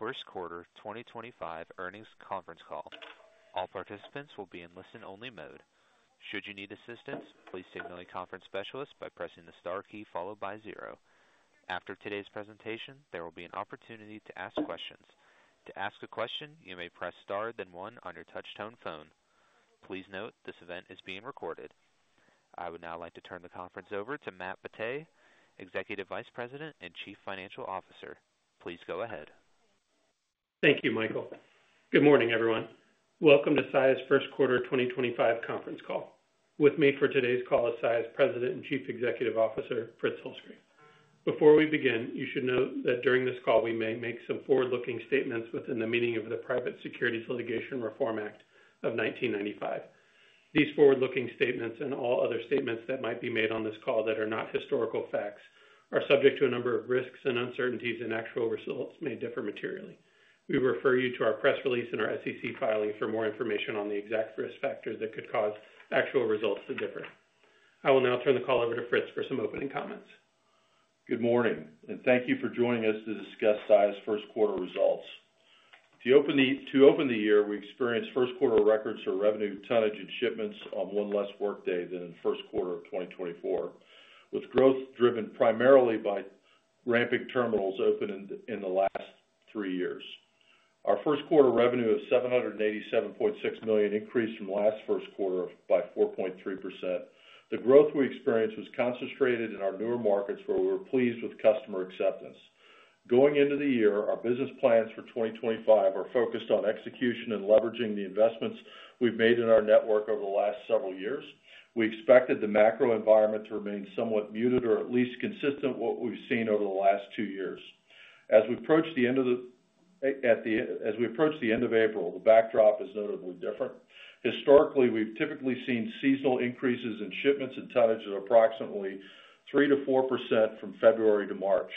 First Quarter 2025 Earnings Conference Call. All participants will be in listen-only mode. Should you need assistance, please signal a conference specialist by pressing the star key followed by zero. After today's presentation, there will be an opportunity to ask questions. To ask a question, you may press star then one on your touch-tone phone. Please note this event is being recorded. I would now like to turn the conference over to Matt Batteh, Executive Vice President and Chief Financial Officer. Please go ahead. Thank you, Michael. Good morning, everyone. Welcome to Saia's First Quarter 2025 Conference Call. With me for today's call is Saia's President and Chief Executive Officer, Fritz Holzgrefe. Before we begin, you should note that during this call we may make some forward-looking statements within the meaning of the Private Securities Litigation Reform Act of 1995. These forward-looking statements and all other statements that might be made on this call that are not historical facts are subject to a number of risks and uncertainties, and actual results may differ materially. We refer you to our press release and our SEC filing for more information on the exact risk factors that could cause actual results to differ. I will now turn the call over to Fritz for some opening comments. Good morning, and thank you for joining us to discuss Saia's first quarter results. To open the year, we experienced first quarter records for revenue, tonnage, and shipments on one less workday than in first quarter of 2024, with growth driven primarily by ramping terminals opened in the last three years. Our first quarter revenue of $787.6 million increased from last first quarter by 4.3%. The growth we experienced was concentrated in our newer markets, where we were pleased with customer acceptance. Going into the year, our business plans for 2025 are focused on execution and leveraging the investments we've made in our network over the last several years. We expected the macro environment to remain somewhat muted or at least consistent with what we've seen over the last two years. As we approach the end of April, the backdrop is notably different. Historically, we've typically seen seasonal increases in shipments and tonnage of approximately 3% to 4% from February to March.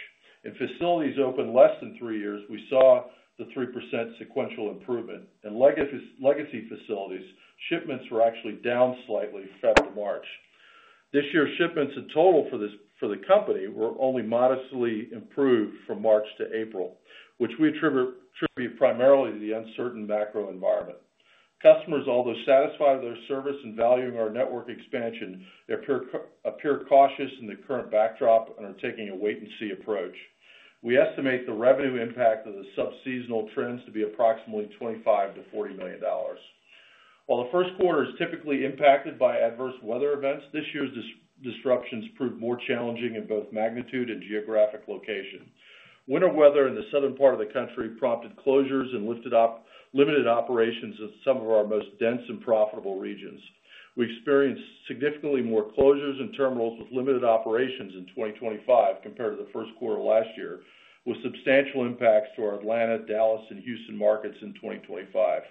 In facilities opened less than three years, we saw the 3% sequential improvement. In legacy facilities, shipments were actually down slightly from February to March. This year, shipments in total for the company were only modestly improved from March to April, which we attribute primarily to the uncertain macro environment. Customers, although satisfied with their service and valuing our network expansion, appear cautious in the current backdrop and are taking a wait-and-see approach. We estimate the revenue impact of the subseasonal trends to be approximately $25 million to $40 million. While the first quarter is typically impacted by adverse weather events, this year's disruptions proved more challenging in both magnitude and geographic location. Winter weather in the southern part of the country prompted closures and limited operations in some of our most dense and profitable regions. We experienced significantly more closures and terminals with limited operations in 2024 compared to the first quarter last year, with substantial impacts to our Atlanta, Dallas, and Houston markets in 2024.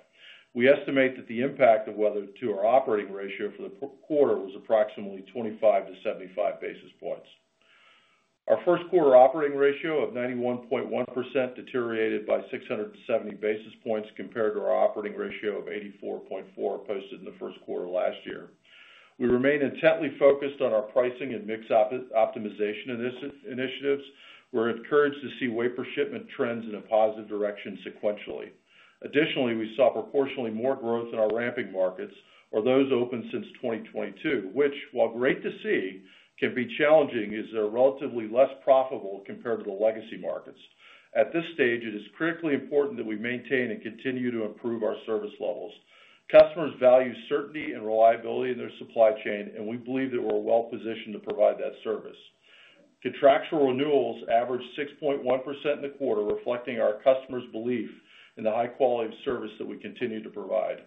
We estimate that the impact of weather to our operating ratio for the quarter was approximately 25-75 basis points. Our first quarter operating ratio of 91.1% deteriorated by 670 basis points compared to our operating ratio of 84.4% posted in the first quarter last year. We remain intently focused on our pricing and mix optimization initiatives. We're encouraged to see wafer shipment trends in a positive direction sequentially. Additionally, we saw proportionally more growth in our ramping markets, or those opened since 2022, which, while great to see, can be challenging as they're relatively less profitable compared to the legacy markets. At this stage, it is critically important that we maintain and continue to improve our service levels. Customers value certainty and reliability in their supply chain, and we believe that we're well-positioned to provide that service. Contractual renewals averaged 6.1% in the quarter, reflecting our customers' belief in the high quality of service that we continue to provide.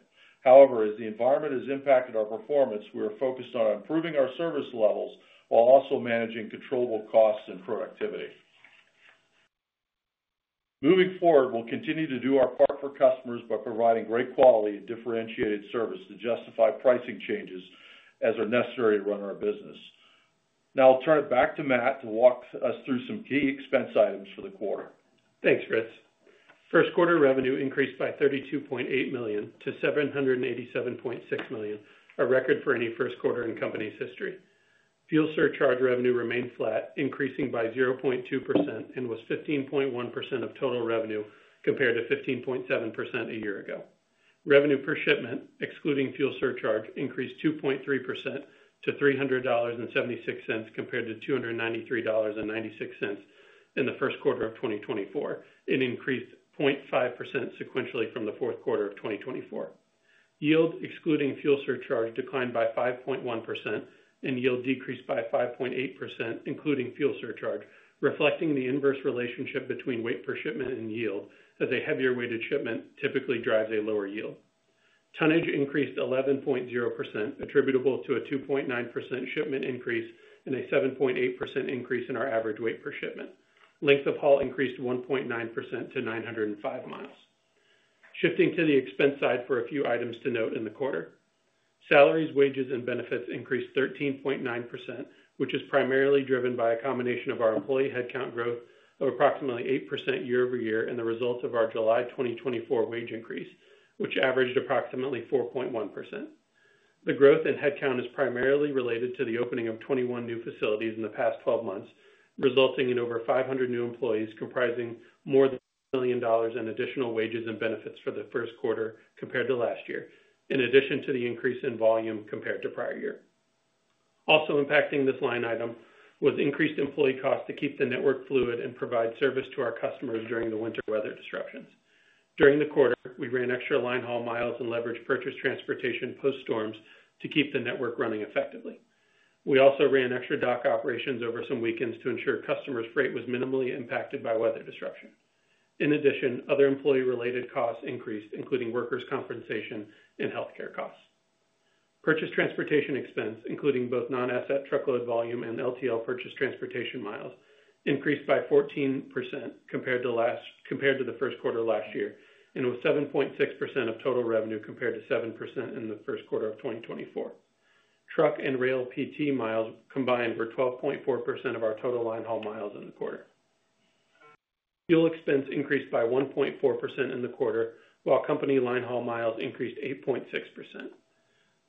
However, as the environment has impacted our performance, we are focused on improving our service levels while also managing controllable costs and productivity. Moving forward, we'll continue to do our part for customers by providing great quality and differentiated service to justify pricing changes as are necessary to run our business. Now I'll turn it back to Matt to walk us through some key expense items for the quarter. Thanks, Fritz. First quarter revenue increased by $32.8 million to $787.6 million, a record for any first quarter in company's history. Fuel surcharge revenue remained flat, increasing by 0.2% and was 15.1% of total revenue compared to 15.7% a year ago. Revenue per shipment, excluding fuel surcharge, increased 2.3% to $300.76 compared to $293.96 in the first quarter of 2024, and increased 0.5% sequentially from the fourth quarter of 2024. Yield, excluding fuel surcharge, declined by 5.1%, and yield decreased by 5.8%, including fuel surcharge, reflecting the inverse relationship between weight per shipment and yield, as a heavier-weighted shipment typically drives a lower yield. Tonnage increased 11.0%, attributable to a 2.9% shipment increase and a 7.8% increase in our average weight per shipment. Length of haul increased 1.9% to 905 mi. Shifting to the expense side for a few items to note in the quarter, salaries, wages, and benefits increased 13.9%, which is primarily driven by a combination of our employee headcount growth of approximately 8% YoY and the result of our July 2024 wage increase, which averaged approximately 4.1%. The growth in headcount is primarily related to the opening of 21 new facilities in the past 12 months, resulting in over 500 new employees comprising more than $1 million in additional wages and benefits for the first quarter compared to last year, in addition to the increase in volume compared to prior year. Also impacting this line item was increased employee costs to keep the network fluid and provide service to our customers during the winter weather disruptions. During the quarter, we ran extra line haul miles and leveraged purchased transportation post-storms to keep the network running effectively. We also ran extra dock operations over some weekends to ensure customers' freight was minimally impacted by weather disruption. In addition, other employee-related costs increased, including workers' compensation and healthcare costs. Purchased transportation expense, including both non-asset truckload volume and LTL purchased transportation miles, increased by 14% compared to the first quarter last year and was 7.6% of total revenue compared to 7% in the first quarter of 2024. Truck and rail PT miles combined were 12.4% of our total line haul miles in the quarter. Fuel expense increased by 1.4% in the quarter, while company line haul miles increased 8.6%.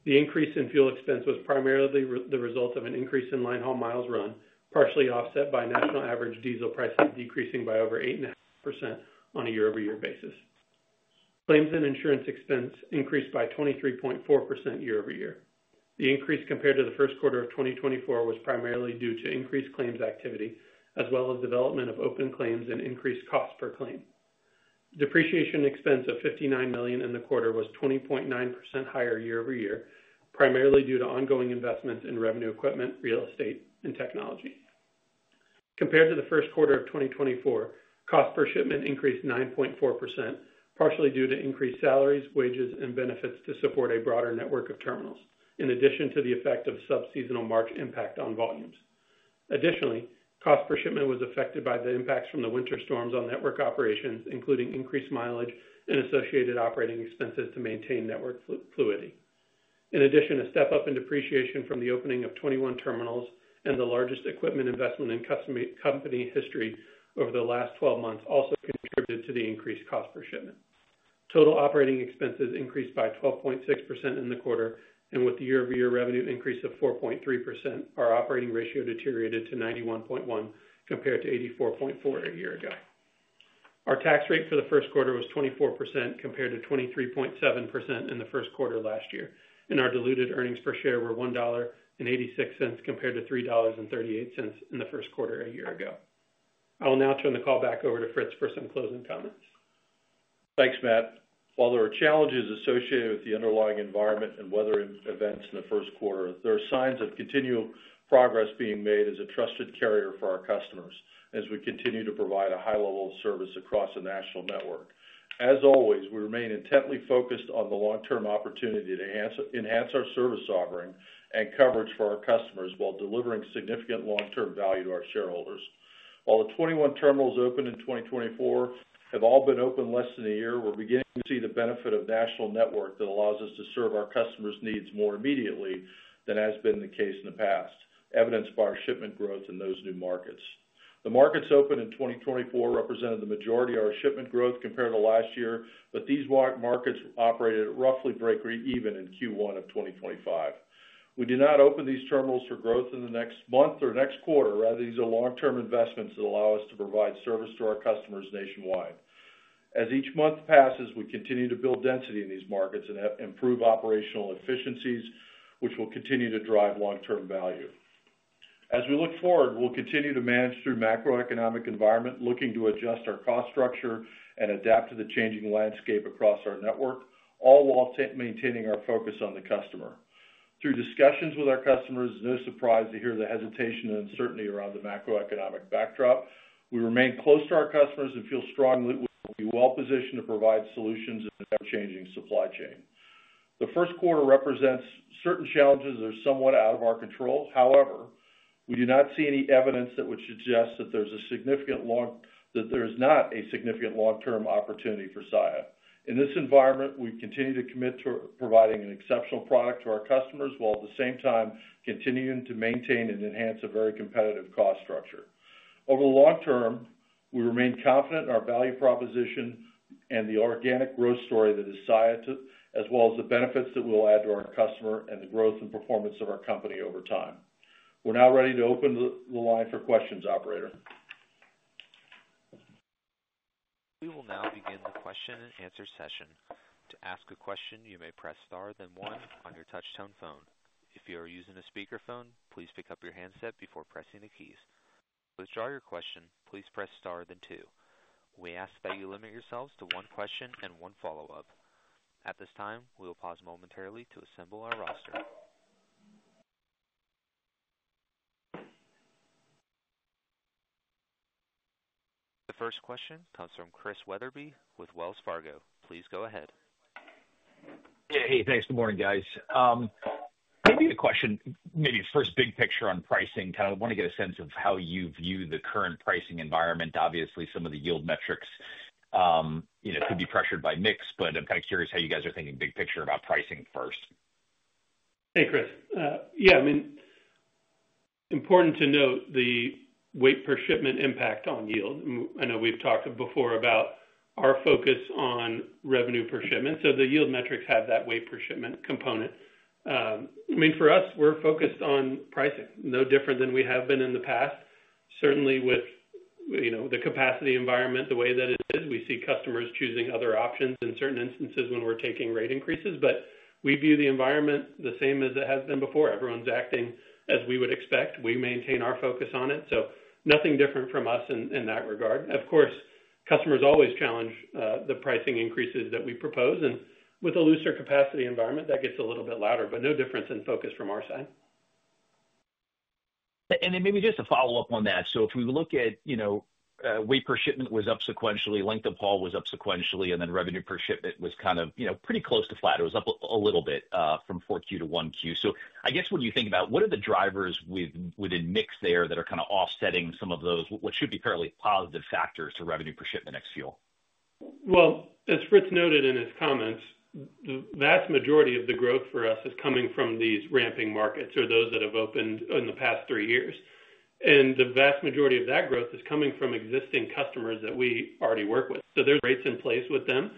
The increase in fuel expense was primarily the result of an increase in line haul miles run, partially offset by national average diesel prices decreasing by over 8.5% on a YoY basis. Claims and insurance expense increased by 23.4% YoY. The increase compared to the first quarter of 2024 was primarily due to increased claims activity as well as development of open claims and increased cost per claim. Depreciation expense of $59 million in the quarter was 20.9% higher YoY, primarily due to ongoing investments in revenue equipment, real estate, and technology. Compared to the first quarter of 2024, cost per shipment increased 9.4%, partially due to increased salaries, wages, and benefits to support a broader network of terminals, in addition to the effect of subseasonal March impact on volumes. Additionally, cost per shipment was affected by the impacts from the winter storms on network operations, including increased mileage and associated operating expenses to maintain network fluidity. In addition, a step-up in depreciation from the opening of 21 terminals and the largest equipment investment in company history over the last 12 months also contributed to the increased cost per shipment. Total operating expenses increased by 12.6% in the quarter, and with the YoY revenue increase of 4.3%, our operating ratio deteriorated to 91.1 compared to 84.4 a year ago. Our tax rate for the first quarter was 24% compared to 23.7% in the first quarter last year, and our diluted earnings per share were $1.86 compared to $3.38 in the first quarter a year ago. I will now turn the call back over to Fritz for some closing comments. Thanks, Matt. While there are challenges associated with the underlying environment and weather events in the first quarter, there are signs of continual progress being made as a trusted carrier for our customers as we continue to provide a high level of service across the national network. As always, we remain intently focused on the long-term opportunity to enhance our service offering and coverage for our customers while delivering significant long-term value to our shareholders. While the 21 terminals opened in 2024 have all been opened less than a year, we're beginning to see the benefit of national network that allows us to serve our customers' needs more immediately than has been the case in the past, evidenced by our shipment growth in those new markets. The markets opened in 2024 represented the majority of our shipment growth compared to last year, but these markets operated roughly break-even in Q1 of 2025. We do not open these terminals for growth in the next month or next quarter. Rather, these are long-term investments that allow us to provide service to our customers nationwide. As each month passes, we continue to build density in these markets and improve operational efficiencies, which will continue to drive long-term value. As we look forward, we'll continue to manage through macroeconomic environment, looking to adjust our cost structure and adapt to the changing landscape across our network, all while maintaining our focus on the customer. Through discussions with our customers, it's no surprise to hear the hesitation and uncertainty around the macroeconomic backdrop. We remain close to our customers and feel strongly we will be well-positioned to provide solutions in the ever-changing supply chain. The first quarter represents certain challenges that are somewhat out of our control. However, we do not see any evidence that would suggest that there is not a significant long-term opportunity for Saia. In this environment, we continue to commit to providing an exceptional product to our customers while at the same time continuing to maintain and enhance a very competitive cost structure. Over the long term, we remain confident in our value proposition and the organic growth story that is Saia, as well as the benefits that we will add to our customer and the growth and performance of our company over time. We're now ready to open the line for questions, Operator. We will now begin the question-and-answer session. To ask a question, you may press star then one on your touch-tone phone. If you are using a speakerphone, please pick up your handset before pressing the keys. To withdraw your question, please press star then two. We ask that you limit yourselves to one question and one follow-up. At this time, we will pause momentarily to assemble our roster. The first question comes from Chris Wetherbee with Wells Fargo. Please go ahead. Hey, thanks. Good morning, guys. Maybe a question, maybe first big picture on pricing. Kind of want to get a sense of how you view the current pricing environment. Obviously, some of the yield metrics could be pressured by mix, but I'm kind of curious how you guys are thinking big picture about pricing first. Hey, Chris. Yeah, I mean, important to note the weight per shipment impact on yield. I know we've talked before about our focus on revenue per shipment. So the yield metrics have that weight per shipment component. I mean, for us, we're focused on pricing, no different than we have been in the past. Certainly, with the capacity environment, the way that it is, we see customers choosing other options in certain instances when we're taking rate increases. But we view the environment the same as it has been before. Everyone's acting as we would expect. We maintain our focus on it. So nothing different from us in that regard. Of course, customers always challenge the pricing increases that we propose. And with a looser capacity environment, that gets a little bit louder, but no difference in focus from our side. If we look at weight per shipment was up sequentially, length of haul was up sequentially, and then revenue per shipment was kind of pretty close to flat. It was up a little bit from Q4 to Q1. I guess when you think about what are the drivers within mix there that are kind of offsetting some of those, what should be fairly positive factors to revenue per shipment next fuel? As Fritz noted in his comments, the vast majority of the growth for us is coming from these ramping markets or those that have opened in the past three years. The vast majority of that growth is coming from existing customers that we already work with. There are rates in place with them.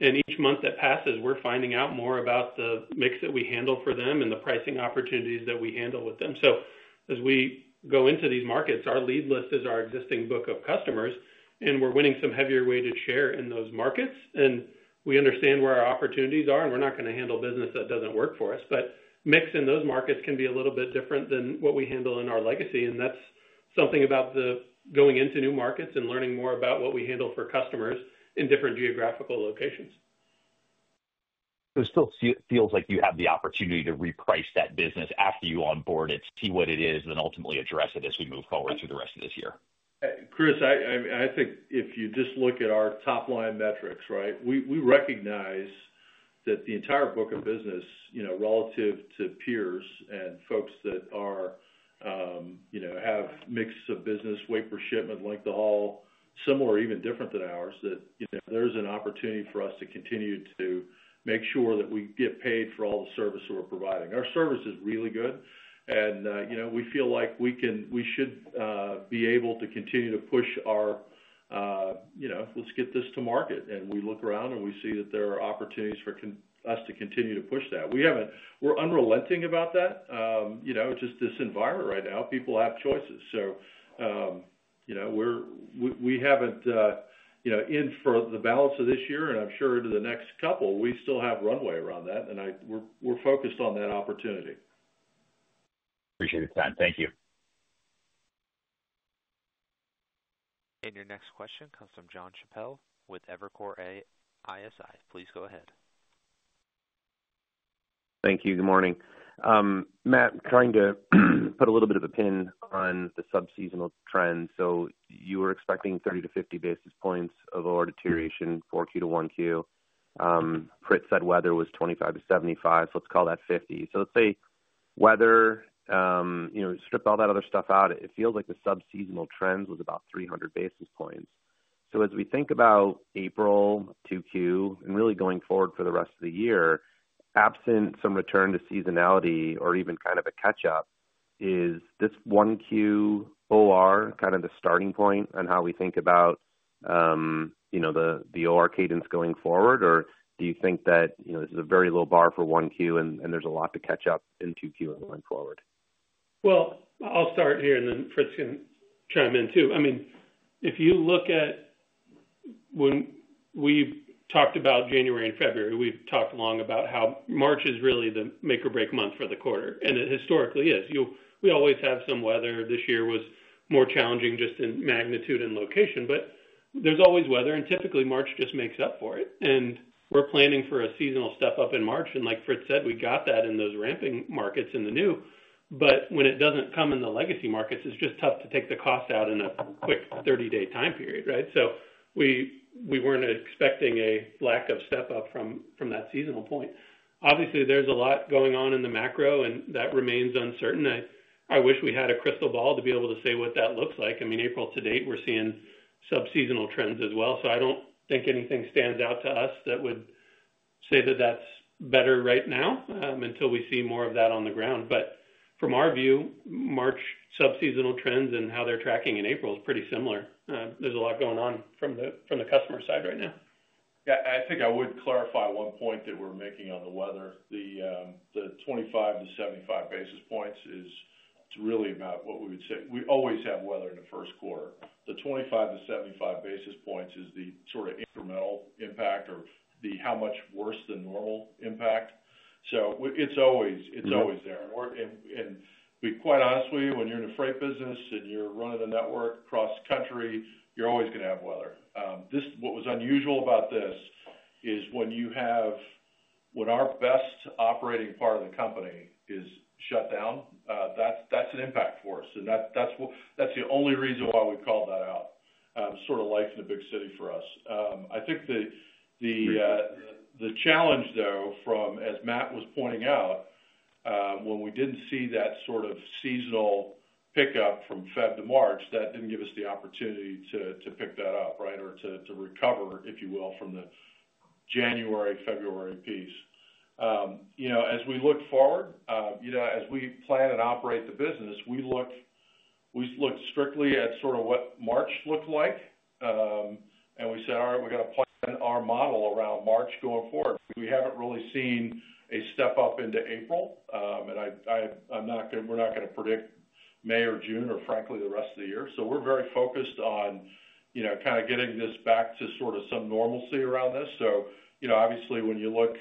Each month that passes, we're finding out more about the mix that we handle for them and the pricing opportunities that we handle with them. As we go into these markets, our lead list is our existing book of customers, and we're winning some heavier-weighted share in those markets. We understand where our opportunities are, and we're not going to handle business that doesn't work for us. Mix in those markets can be a little bit different than what we handle in our legacy. That's something about going into new markets and learning more about what we handle for customers in different geographical locations. It still feels like you have the opportunity to reprice that business after you onboard it, see what it is, and then ultimately address it as we move forward through the rest of this year. Chris, I think if you just look at our top-line metrics, right, we recognize that the entire book of business relative to peers and folks that have mix of business, weight per shipment, length of haul, similar or even different than ours, that there's an opportunity for us to continue to make sure that we get paid for all the service that we're providing. Our service is really good, and we feel like we should be able to continue to push our, "Let's get this to market." We look around and we see that there are opportunities for us to continue to push that. We're unrelenting about that. It's just this environment right now, people have choices. We haven't in for the balance of this year, and I'm sure into the next couple, we still have runway around that, and we're focused on that opportunity. Appreciate it, Matt. Thank you. Your next question comes from Jon Chappell with Evercore ISI. Please go ahead. Thank you. Good morning. Matt, I'm trying to put a little bit of a pin on the subseasonal trend. You were expecting 30-50 basis points of OR deterioration Q4 to Q1. Fritz said weather was 25-75, so let's call that 50. Let's say weather, strip all that other stuff out, it feels like the subseasonal trends was about 300 basis points. As we think about April, Q2, and really going forward for the rest of the year, absent some return to seasonality or even kind of a catch-up, is this Q1 OR kind of the starting point on how we think about the OR cadence going forward, or do you think that this is a very low bar for Q1 and there's a lot to catch up in Q2 going forward? I'll start here and then Fritz can chime in too. I mean, if you look at when we talked about January and February, we've talked long about how March is really the make-or-break month for the quarter, and it historically is. We always have some weather. This year was more challenging just in magnitude and location, but there's always weather, and typically March just makes up for it. We're planning for a seasonal step-up in March, and like Fritz said, we got that in those ramping markets in the new. When it doesn't come in the legacy markets, it's just tough to take the cost out in a quick 30-day time period, right? We weren't expecting a lack of step-up from that seasonal point. Obviously, there's a lot going on in the macro, and that remains uncertain. I wish we had a crystal ball to be able to say what that looks like. I mean, April to date, we're seeing subseasonal trends as well. I don't think anything stands out to us that would say that that's better right now until we see more of that on the ground. From our view, March subseasonal trends and how they're tracking in April is pretty similar. There's a lot going on from the customer side right now. Yeah, I think I would clarify one point that we're making on the weather. The 25-75 basis points is really about what we would say. We always have weather in the first quarter. The 25-75 basis points is the sort of incremental impact or the how much worse than normal impact. It is always there. And quite honestly, when you're in the freight business and you're running a network across the country, you're always going to have weather. What was unusual about this is when our best operating part of the company is shut down, that's an impact for us. That is the only reason why we called that out. Sort of life in a big city for us. I think the challenge, though, as Matt was pointing out, when we did not see that sort of seasonal pickup from February to March, that did not give us the opportunity to pick that up, right, or to recover, if you will, from the January, February piece. As we look forward, as we plan and operate the business, we looked strictly at sort of what March looked like, and we said, "All right, we are going to plan our model around March going forward." We have not really seen a step-up into April, and we are not going to predict May or June or, frankly, the rest of the year. We are very focused on kind of getting this back to sort of some normalcy around this. Obviously, when you look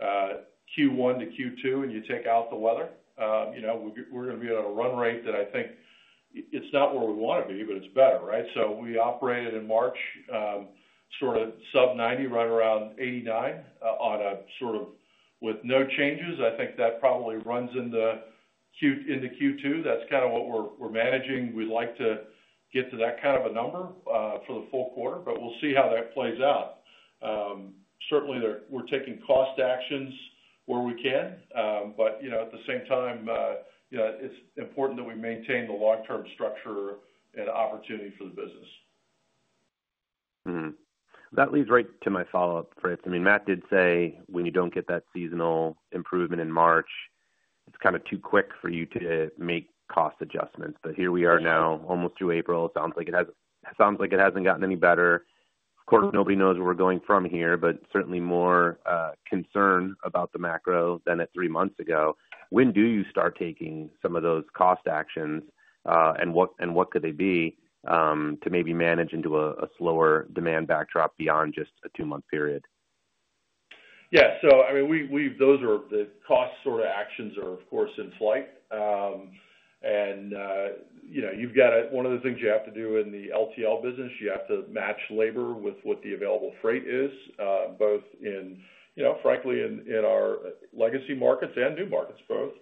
Q1 to Q2 and you take out the weather, we're going to be at a run rate that I think it's not where we want to be, but it's better, right? We operated in March sort of sub-90, right around 89 on a sort of with no changes. I think that probably runs into Q2. That's kind of what we're managing. We'd like to get to that kind of a number for the full quarter, but we'll see how that plays out. Certainly, we're taking cost actions where we can, but at the same time, it's important that we maintain the long-term structure and opportunity for the business. That leads right to my follow-up, Fritz. I mean, Matt did say when you do not get that seasonal improvement in March, it is kind of too quick for you to make cost adjustments. Here we are now, almost through April. It sounds like it has not gotten any better. Of course, nobody knows where we are going from here, but certainly more concern about the macro than at three months ago. When do you start taking some of those cost actions, and what could they be to maybe manage into a slower demand backdrop beyond just a two-month period? Yeah. I mean, those cost sort of actions are, of course, in flight. You have to, one of the things you have to do in the LTL business, you have to match labor with what the available freight is, both in, frankly, in our legacy markets and new markets both.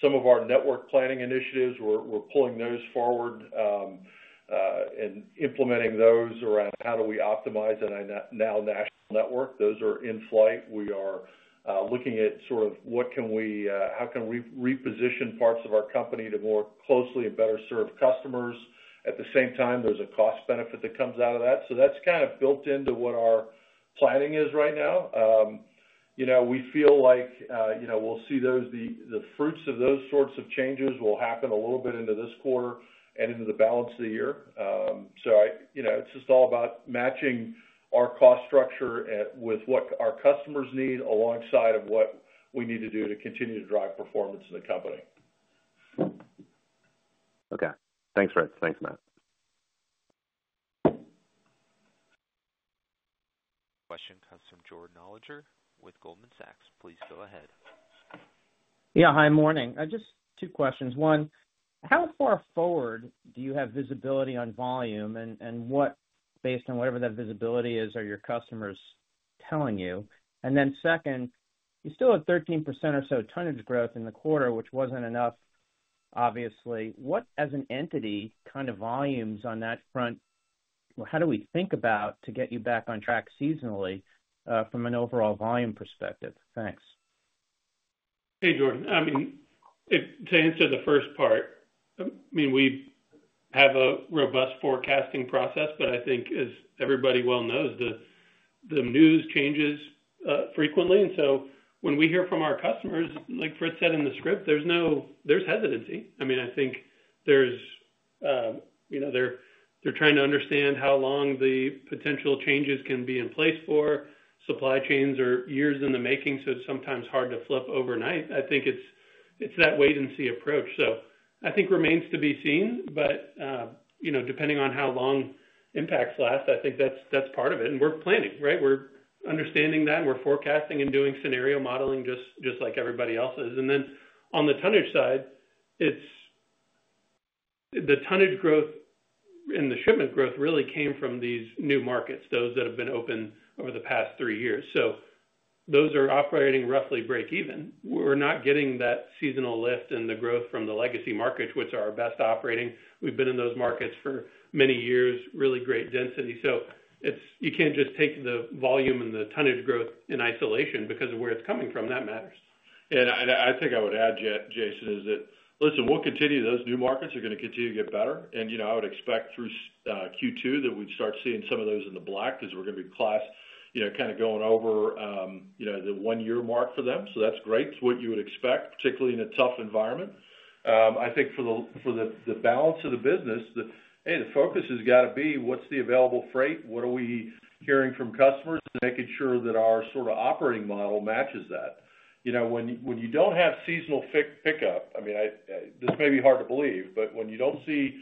Some of our network planning initiatives, we're pulling those forward and implementing those around how do we optimize in our now national network. Those are in flight. We are looking at sort of what can we, how can we reposition parts of our company to more closely and better serve customers. At the same time, there's a cost benefit that comes out of that. That's kind of built into what our planning is right now. We feel like we'll see the fruits of those sorts of changes will happen a little bit into this quarter and into the balance of the year. It is just all about matching our cost structure with what our customers need alongside of what we need to do to continue to drive performance in the company. Okay. Thanks, Fritz. Thanks, Matt. Question comes from Jordan Alliger with Goldman Sachs. Please go ahead. Yeah. Hi, morning. Just two questions. One, how far forward do you have visibility on volume and what, based on whatever that visibility is, are your customers telling you? Then second, you still have 13% or so tonnage growth in the quarter, which was not enough, obviously. What, as an entity, kind of volumes on that front? How do we think about to get you back on track seasonally from an overall volume perspective? Thanks. Hey, Jordan. I mean, to answer the first part, I mean, we have a robust forecasting process, but I think, as everybody well knows, the news changes frequently. When we hear from our customers, like Fritz said in the script, there's hesitancy. I mean, I think they're trying to understand how long the potential changes can be in place for. Supply chains are years in the making, so it's sometimes hard to flip overnight. I think it's that wait-and-see approach. I think it remains to be seen, but depending on how long impacts last, I think that's part of it. We're planning, right? We're understanding that, and we're forecasting and doing scenario modeling just like everybody else is. On the tonnage side, the tonnage growth and the shipment growth really came from these new markets, those that have been open over the past three years. Those are operating roughly break-even. We're not getting that seasonal lift in the growth from the legacy markets, which are our best operating. We've been in those markets for many years, really great density. You can't just take the volume and the tonnage growth in isolation because of where it's coming from. That matters. I think I would add, Jordan, is that, listen, we'll continue those new markets. They're going to continue to get better. I would expect through Q2 that we'd start seeing some of those in the black because we're going to be class kind of going over the one-year mark for them. That's great. It's what you would expect, particularly in a tough environment. I think for the balance of the business, the focus has got to be what's the available freight? What are we hearing from customers? Making sure that our sort of operating model matches that. When you don't have seasonal pickup, I mean, this may be hard to believe, but when you don't see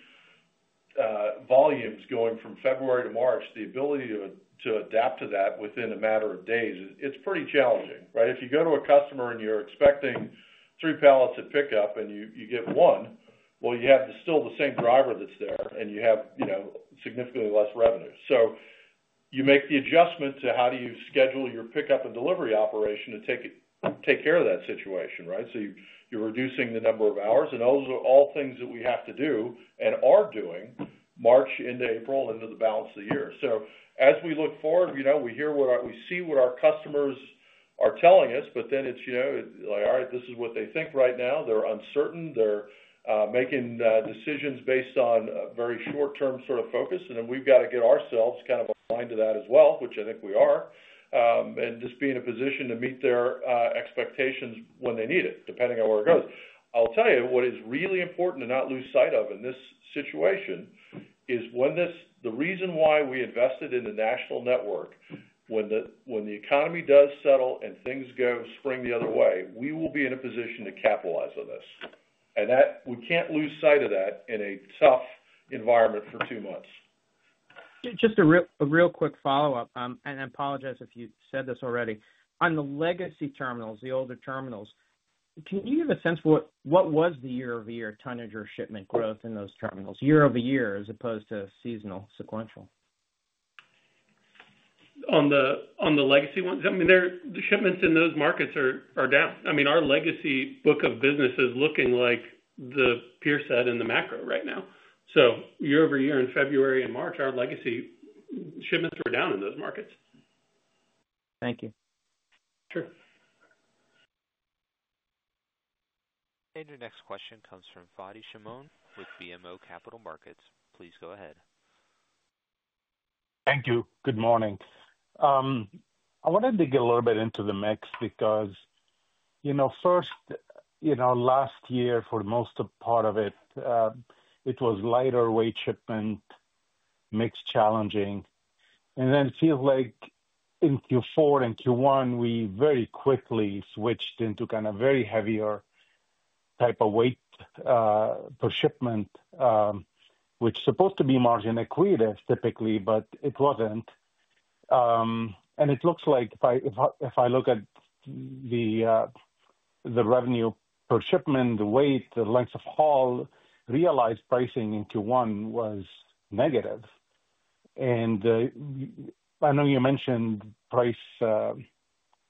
volumes going from February to March, the ability to adapt to that within a matter of days, it's pretty challenging, right? If you go to a customer and you're expecting three pallets of pickup and you get one, you have still the same driver that's there, and you have significantly less revenue. You make the adjustment to how do you schedule your pickup and delivery operation to take care of that situation, right? You're reducing the number of hours, and those are all things that we have to do and are doing March into April and into the balance of the year. As we look forward, we hear what we see what our customers are telling us, but then it's like, "All right, this is what they think right now." They're uncertain. They're making decisions based on a very short-term sort of focus. We have to get ourselves kind of aligned to that as well, which I think we are, and just be in a position to meet their expectations when they need it, depending on where it goes. I will tell you what is really important to not lose sight of in this situation is the reason why we invested in the national network. When the economy does settle and things go spring the other way, we will be in a position to capitalize on this. We cannot lose sight of that in a tough environment for two months. Just a real quick follow-up, and I apologize if you said this already. On the legacy terminals, the older terminals, can you give a sense of what was the YoY tonnage or shipment growth in those terminals? YoY as opposed to seasonal sequential. On the legacy ones, I mean, the shipments in those markets are down. I mean, our legacy book of business is looking like the peer said in the macro right now. YoY in February and March, our legacy shipments were down in those markets. Thank you. Sure. Your next question comes from Fadi Shimon with BMO Capital Markets. Please go ahead. Thank you. Good morning. I wanted to get a little bit into the mix because first, last year, for the most part of it, it was lighter weight shipment, mix challenging. Then it feels like in Q4 and Q1, we very quickly switched into kind of very heavier type of weight per shipment, which is supposed to be margin equated typically, but it was not. It looks like if I look at the revenue per shipment, the weight, the length of haul, realized pricing into one was negative. I know you mentioned price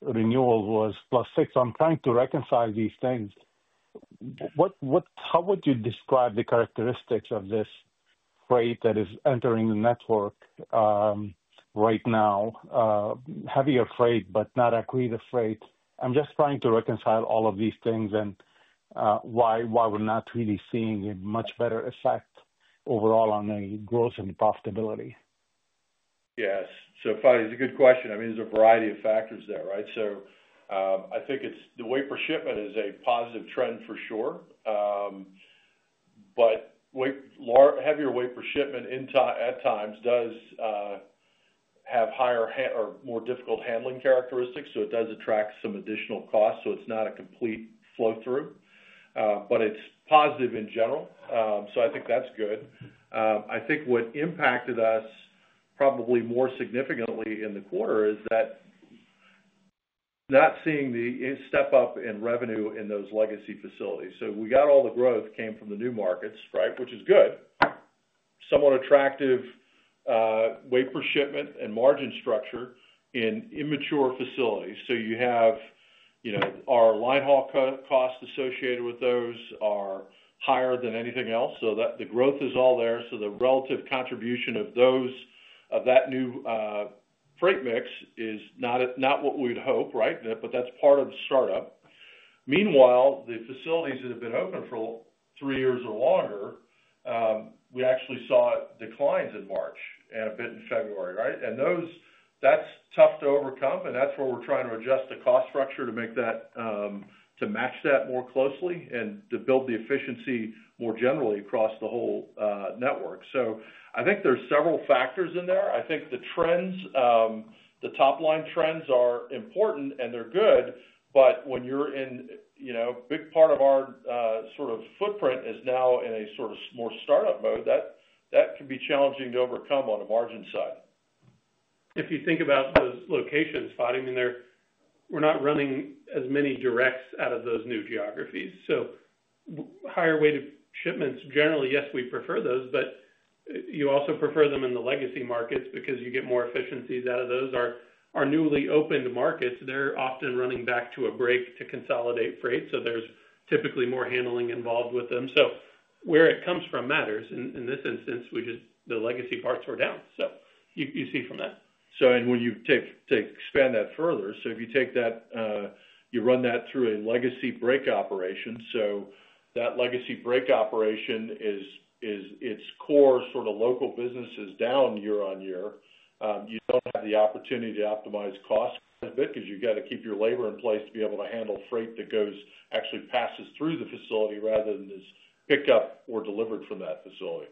renewal was plus 6%. I am trying to reconcile these things. How would you describe the characteristics of this freight that is entering the network right now? Heavier freight, but not equated freight. I'm just trying to reconcile all of these things and why we're not really seeing a much better effect overall on the growth and profitability. Yes. Fadi, it's a good question. I mean, there's a variety of factors there, right? I think the weight per shipment is a positive trend for sure. Heavier weight per shipment at times does have higher or more difficult handling characteristics, so it does attract some additional costs. It's not a complete flow-through, but it's positive in general. I think that's good. I think what impacted us probably more significantly in the quarter is not seeing the step-up in revenue in those legacy facilities. All the growth came from the new markets, right, which is good. Somewhat attractive weight per shipment and margin structure in immature facilities. Our line haul costs associated with those are higher than anything else. The growth is all there. The relative contribution of that new freight mix is not what we'd hope, right? That is part of the startup. Meanwhile, the facilities that have been open for three years or longer, we actually saw declines in March and a bit in February, right? That is tough to overcome, and that is where we're trying to adjust the cost structure to match that more closely and to build the efficiency more generally across the whole network. I think there are several factors in there. I think the trends, the top-line trends are important, and they're good, but when you're in a big part of our sort of footprint is now in a sort of more startup mode, that can be challenging to overcome on the margin side. If you think about those locations, Fadi, I mean, we're not running as many directs out of those new geographies. So higher weighted shipments, generally, yes, we prefer those, but you also prefer them in the legacy markets because you get more efficiencies out of those. Our newly opened markets, they're often running back to a break to consolidate freight. So there's typically more handling involved with them. Where it comes from matters. In this instance, the legacy parts were down. You see from that. When you expand that further, if you take that, you run that through a legacy break operation. That legacy break operation, its core sort of local business is down year-on-year. You do not have the opportunity to optimize costs as big because you have to keep your labor in place to be able to handle freight that actually passes through the facility rather than is picked up or delivered from that facility.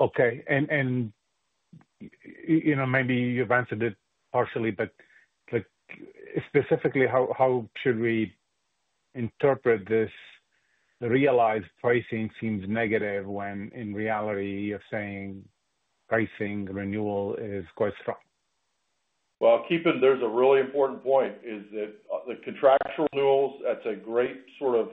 Okay. Maybe you've answered it partially, but specifically, how should we interpret this realized pricing seems negative when in reality, you're saying pricing renewal is quite strong? There is a really important point that the contractual renewals, that is a great sort of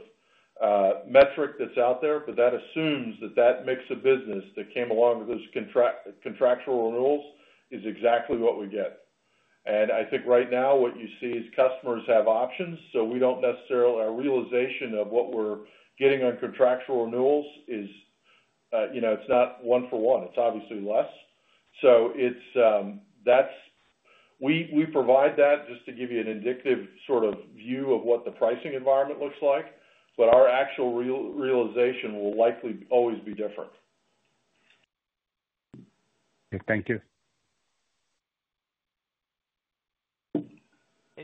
metric that is out there, but that assumes that the mix of business that came along with those contractual renewals is exactly what we get. I think right now, what you see is customers have options. We do not necessarily, our realization of what we are getting on contractual renewals is not one for one. It is obviously less. We provide that just to give you an indicative sort of view of what the pricing environment looks like, but our actual realization will likely always be different. Thank you.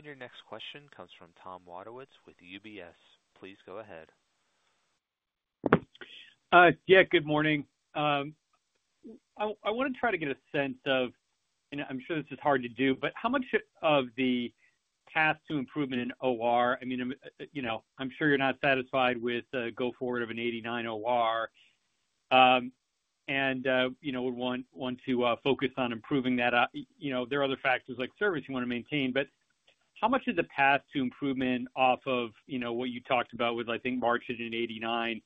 Your next question comes from Tom Wadewitz with UBS. Please go ahead. Yeah. Good morning. I want to try to get a sense of, and I'm sure this is hard to do, how much of the path to improvement in OR? I mean, I'm sure you're not satisfied with the go-forward of an '89 OR, and would want to focus on improving that. There are other factors like service you want to maintain, but how much of the path to improvement off of what you talked about with, I think, margin in '89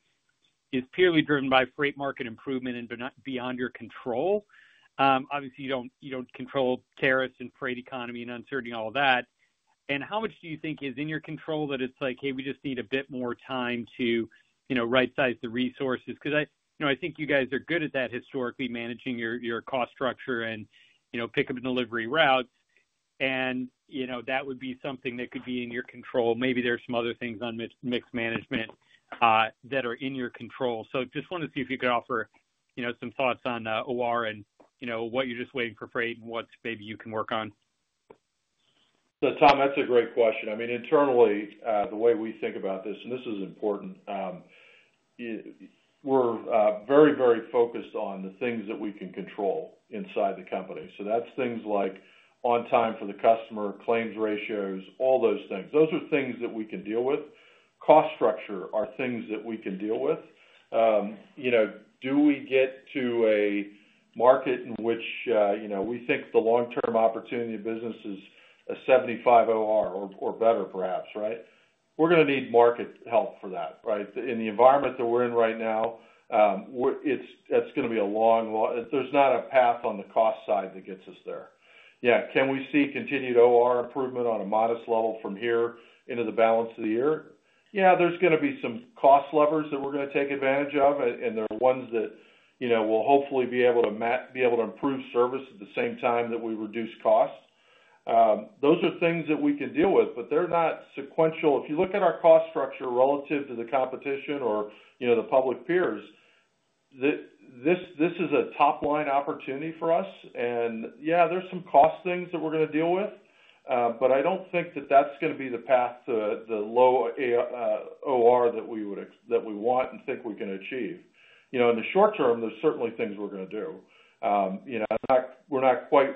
is purely driven by freight market improvement and beyond your control? Obviously, you don't control tariffs and freight economy and uncertainty and all that. How much do you think is in your control that it's like, "Hey, we just need a bit more time to right-size the resources"? Because I think you guys are good at that historically, managing your cost structure and pickup and delivery routes. That would be something that could be in your control. Maybe there are some other things on mix management that are in your control. Just wanted to see if you could offer some thoughts on OR and what you're just waiting for freight and what maybe you can work on. That's a great question. I mean, internally, the way we think about this, and this is important, we're very, very focused on the things that we can control inside the company. That's things like on-time for the customer, claims ratios, all those things. Those are things that we can deal with. Cost structure are things that we can deal with. Do we get to a market in which we think the long-term opportunity of business is a 75 OR or better, perhaps, right? We're going to need market help for that, right? In the environment that we're in right now, that's going to be a long—there's not a path on the cost side that gets us there. Yeah. Can we see continued OR improvement on a modest level from here into the balance of the year? Yeah. are going to be some cost levers that we are going to take advantage of, and there are ones that will hopefully be able to improve service at the same time that we reduce costs. Those are things that we can deal with, but they are not sequential. If you look at our cost structure relative to the competition or the public peers, this is a top-line opportunity for us. Yeah, there are some cost things that we are going to deal with, but I do not think that is going to be the path to the low OR that we want and think we can achieve. In the short term, there are certainly things we are going to do. We're not quite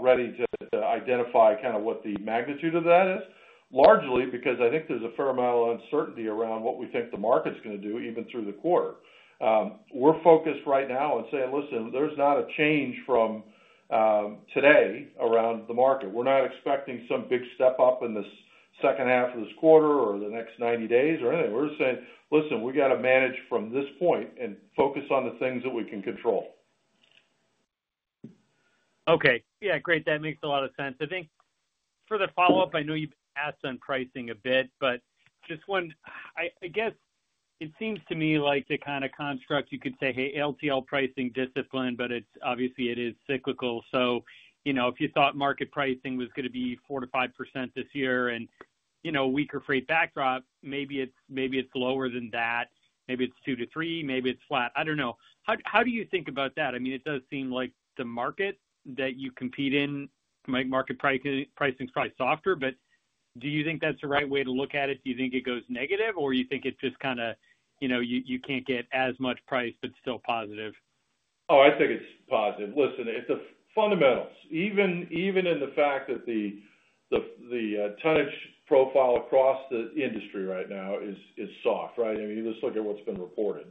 ready to identify kind of what the magnitude of that is, largely because I think there's a fair amount of uncertainty around what we think the market's going to do even through the quarter. We're focused right now on saying, "Listen, there's not a change from today around the market. We're not expecting some big step up in the second half of this quarter or the next 90 days or anything." We're just saying, "Listen, we got to manage from this point and focus on the things that we can control. Okay. Yeah. Great. That makes a lot of sense. I think for the follow-up, I know you've asked on pricing a bit, but just one—I guess it seems to me like the kind of construct you could say, "Hey, LTL pricing discipline," but obviously, it is cyclical. If you thought market pricing was going to be 4%-5% this year and a weaker freight backdrop, maybe it's lower than that. Maybe it's 2%-3%. Maybe it's flat. I don't know. How do you think about that? I mean, it does seem like the market that you compete in, market pricing's probably softer, but do you think that's the right way to look at it? Do you think it goes negative, or you think it's just kind of you can't get as much price but still positive? Oh, I think it's positive. Listen, it's the fundamentals. Even in the fact that the tonnage profile across the industry right now is soft, right? I mean, let's look at what's been reported.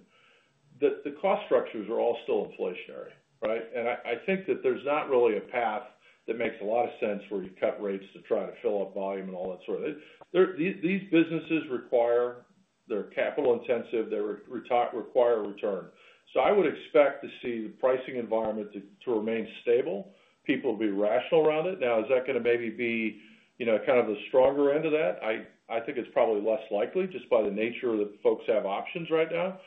The cost structures are all still inflationary, right? I think that there's not really a path that makes a lot of sense where you cut rates to try to fill up volume and all that sort of thing. These businesses require—they're capital-intensive. They require a return. I would expect to see the pricing environment to remain stable. People will be rational around it. Now, is that going to maybe be kind of the stronger end of that? I think it's probably less likely just by the nature that folks have options right now.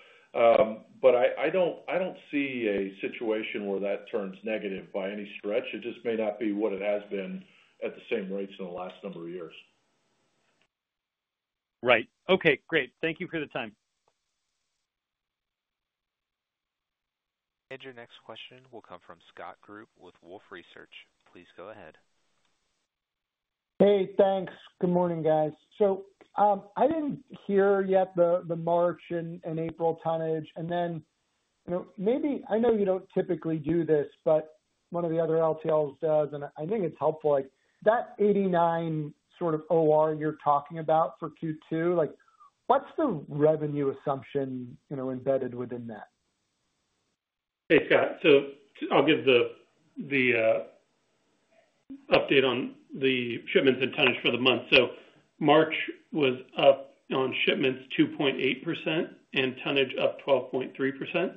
I don't see a situation where that turns negative by any stretch. It just may not be what it has been at the same rates in the last number of years. Right. Okay. Great. Thank you for the time. Your next question will come from Scott Group with Wolfe Research. Please go ahead. Hey, thanks. Good morning, guys. I did not hear yet the March and April tonnage. I know you do not typically do this, but one of the other LTLs does, and I think it is helpful. That '89 sort of OR you are talking about for Q2, what is the revenue assumption embedded within that? Hey, Scott. I'll give the update on the shipments and tonnage for the month. March was up on shipments 2.8% and tonnage up 12.3%.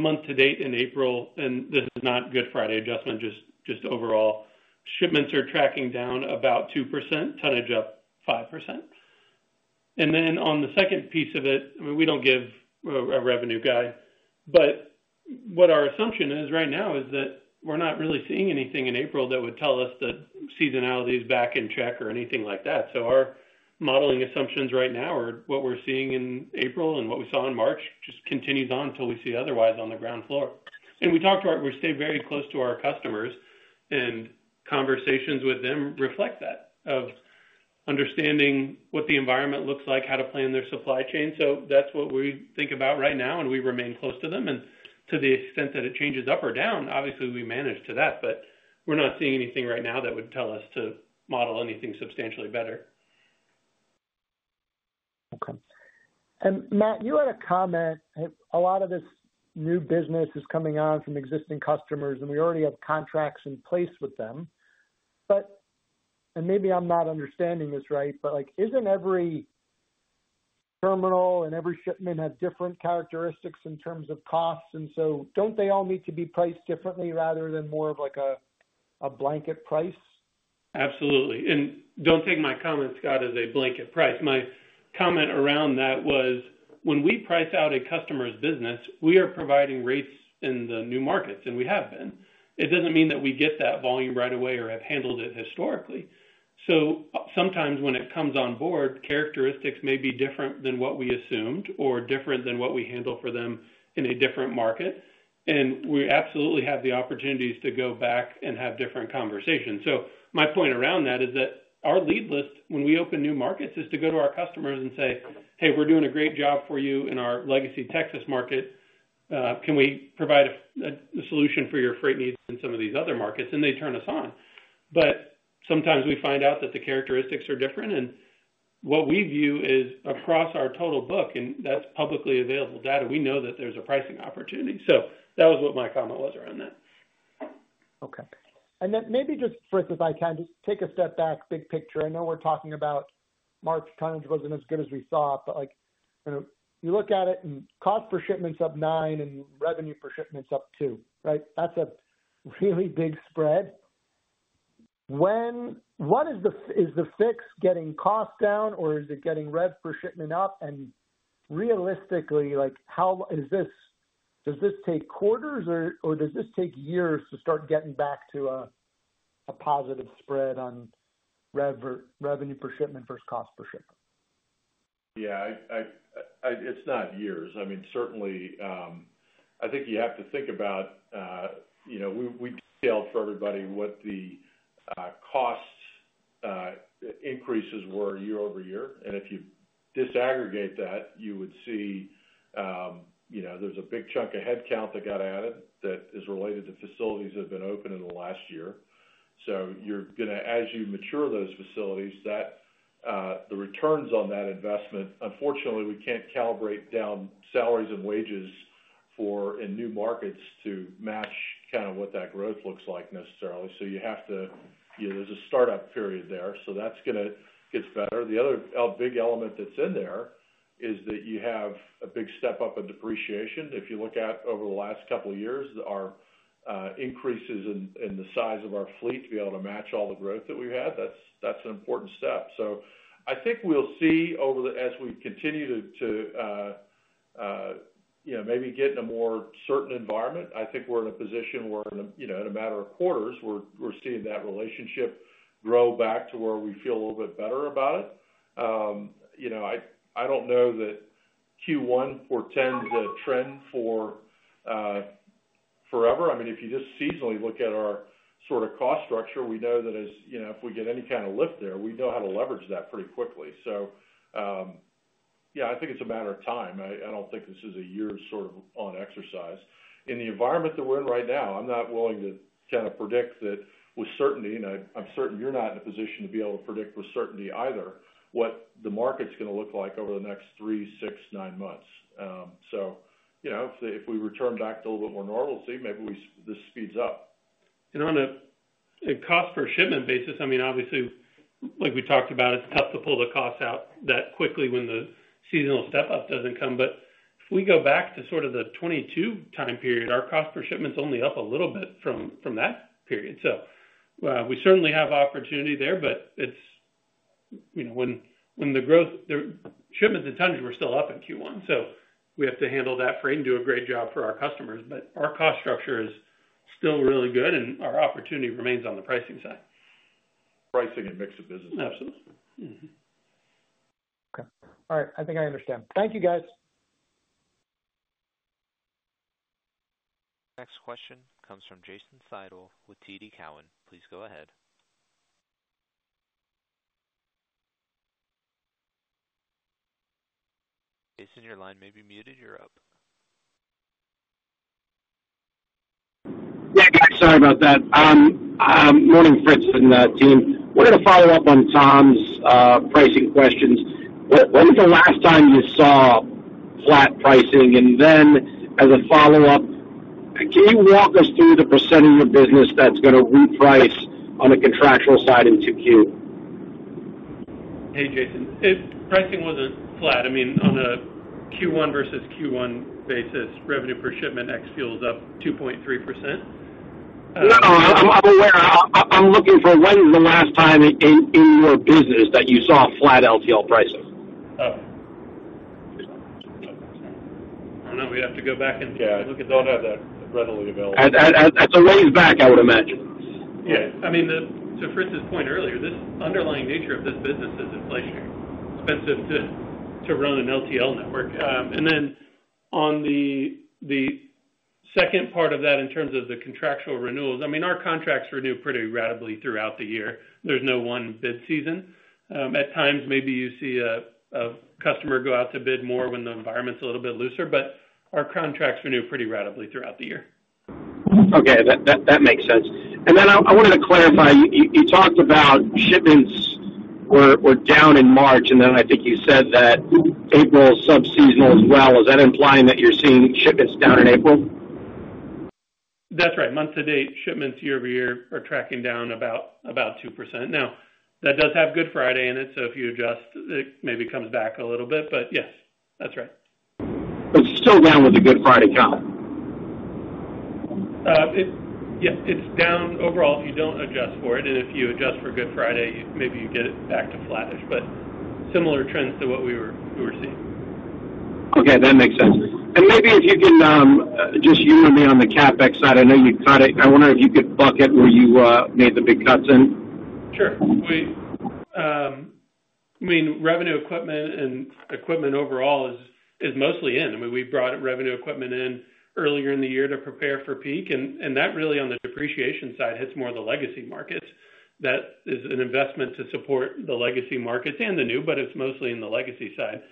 Month-to-date in April, and this is not Good Friday adjustment, just overall, shipments are tracking down about 2%, tonnage up 5%. On the second piece of it, I mean, we don't give a revenue guide, but what our assumption is right now is that we're not really seeing anything in April that would tell us that seasonality is back in check or anything like that. Our modeling assumptions right now are what we're seeing in April and what we saw in March just continues on until we see otherwise on the ground floor. We stay very close to our customers, and conversations with them reflect that of understanding what the environment looks like, how to plan their supply chain. That is what we think about right now, and we remain close to them. To the extent that it changes up or down, obviously, we manage to that, but we are not seeing anything right now that would tell us to model anything substantially better. Okay. Matt, you had a comment. A lot of this new business is coming on from existing customers, and we already have contracts in place with them. Maybe I'm not understanding this right, but isn't every terminal and every shipment have different characteristics in terms of costs? Don't they all need to be priced differently rather than more of a blanket price? Absolutely. Do not take my comment, Scott, as a blanket price. My comment around that was, when we price out a customer's business, we are providing rates in the new markets, and we have been. It does not mean that we get that volume right away or have handled it historically. Sometimes when it comes on board, characteristics may be different than what we assumed or different than what we handle for them in a different market. We absolutely have the opportunities to go back and have different conversations. My point around that is that our lead list, when we open new markets, is to go to our customers and say, "Hey, we are doing a great job for you in our legacy Texas market. Can we provide a solution for your freight needs in some of these other markets?" They turn us on. Sometimes we find out that the characteristics are different. What we view is across our total book, and that's publicly available data. We know that there's a pricing opportunity. That was what my comment was around that. Okay. Maybe just, Fritz, if I can, just take a step back, big picture. I know we're talking about March tonnage wasn't as good as we thought, but you look at it and cost per shipment's up 9% and revenue per shipment's up 2%, right? That's a really big spread. What is the fix? Getting cost down, or is it getting rev per shipment up? Realistically, does this take quarters, or does this take years to start getting back to a positive spread on revenue per shipment versus cost per shipment? Yeah. It's not years. I mean, certainly, I think you have to think about we detailed for everybody what the cost increases were YoY. If you disaggregate that, you would see there's a big chunk of headcount that got added that is related to facilities that have been open in the last year. As you mature those facilities, the returns on that investment, unfortunately, we can't calibrate down salaries and wages in new markets to match kind of what that growth looks like necessarily. You have to—there's a startup period there. That's going to get better. The other big element that's in there is that you have a big step up in depreciation. If you look at over the last couple of years, our increases in the size of our fleet to be able to match all the growth that we've had, that's an important step. I think we'll see as we continue to maybe get in a more certain environment. I think we're in a position where in a matter of quarters, we're seeing that relationship grow back to where we feel a little bit better about it. I don't know that Q1 portends a trend forever. I mean, if you just seasonally look at our sort of cost structure, we know that if we get any kind of lift there, we know how to leverage that pretty quickly. I think it's a matter of time. I don't think this is a year sort of on exercise. In the environment that we're in right now, I'm not willing to kind of predict that with certainty, and I'm certain you're not in a position to be able to predict with certainty either what the market's going to look like over the next three, six, nine months. If we return back to a little bit more normalcy, maybe this speeds up. On a cost per shipment basis, I mean, obviously, like we talked about, it's tough to pull the costs out that quickly when the seasonal step-up doesn't come. If we go back to sort of the 2022 time period, our cost per shipment is only up a little bit from that period. We certainly have opportunity there, when the growth—shipments and tonnage were still up in Q1. We have to handle that freight and do a great job for our customers. Our cost structure is still really good, and our opportunity remains on the pricing side. Pricing and mix of business. Absolutely. Okay. All right. I think I understand. Thank you, guys. Next question comes from Jason Seidl with TD Cowen. Please go ahead. Jason, your line may be muted. You're up. Yeah, guys, sorry about that. Morning, Fritz and team. We're going to follow up on Tom's pricing questions. When was the last time you saw flat pricing? As a follow-up, can you walk us through the percent of your business that's going to reprice on the contractual side in Q2? Hey, Jason. Pricing wasn't flat. I mean, on a Q1 versus Q1 basis, revenue per shipment ex-fuels up 2.3%. No, I'm aware. I'm looking for when was the last time in your business that you saw flat LTL pricing? I don't know. We'd have to go back and look at that. Yeah. Do not have that readily available. That's a ways back, I would imagine. Yeah. I mean, to Fritz's point earlier, this underlying nature of this business is inflationary. It's expensive to run an LTL network. On the second part of that in terms of the contractual renewals, I mean, our contracts renew pretty readily throughout the year. There's no one bid season. At times, maybe you see a customer go out to bid more when the environment's a little bit looser, but our contracts renew pretty readily throughout the year. Okay. That makes sense. I wanted to clarify. You talked about shipments were down in March, and then I think you said that April sub-seasonal as well. Is that implying that you're seeing shipments down in April? That's right. Month-to-date shipments YoY are tracking down about 2%. Now, that does have Good Friday in it, so if you adjust, it maybe comes back a little bit. Yes, that's right. It's still down with a Good Friday comment. Yeah. It's down overall if you don't adjust for it. If you adjust for Good Friday, maybe you get it back to flattish, but similar trends to what we were seeing. Okay. That makes sense. Maybe if you can just you and me on the CapEx side, I know you cut it. I wonder if you could bucket where you made the big cuts in. Sure. I mean, revenue equipment and equipment overall is mostly in. I mean, we brought revenue equipment in earlier in the year to prepare for peak. That really, on the depreciation side, hits more of the legacy markets. That is an investment to support the legacy markets and the new, but it's mostly in the legacy side.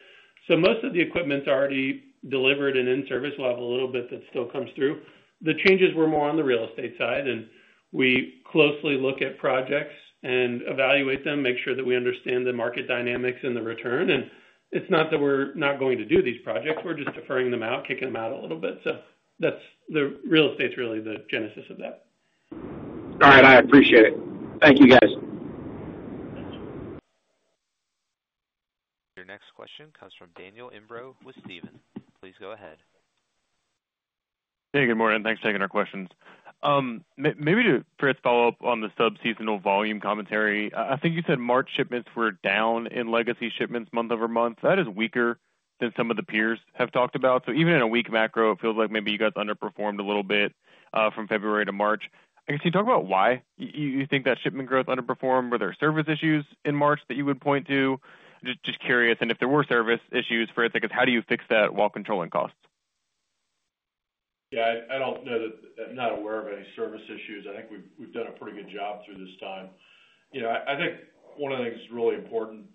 Most of the equipment's already delivered and in service. We'll have a little bit that still comes through. The changes were more on the real estate side, and we closely look at projects and evaluate them, make sure that we understand the market dynamics and the return. It's not that we're not going to do these projects. We're just deferring them out, kicking them out a little bit. The real estate's really the genesis of that. All right. I appreciate it. Thank you, guys. Your next question comes from Daniel Imbro with Stephens. Please go ahead. Hey, good morning. Thanks for taking our questions. Maybe to Fritz's follow-up on the sub-seasonal volume commentary, I think you said March shipments were down in legacy shipments month over month. That is weaker than some of the peers have talked about. Even in a weak macro, it feels like maybe you guys underperformed a little bit from February to March. I guess can you talk about why you think that shipment growth underperformed? Were there service issues in March that you would point to? Just curious. If there were service issues, Fritz, I guess, how do you fix that while controlling costs? Yeah. I'm not aware of any service issues. I think we've done a pretty good job through this time. I think one of the things that's really important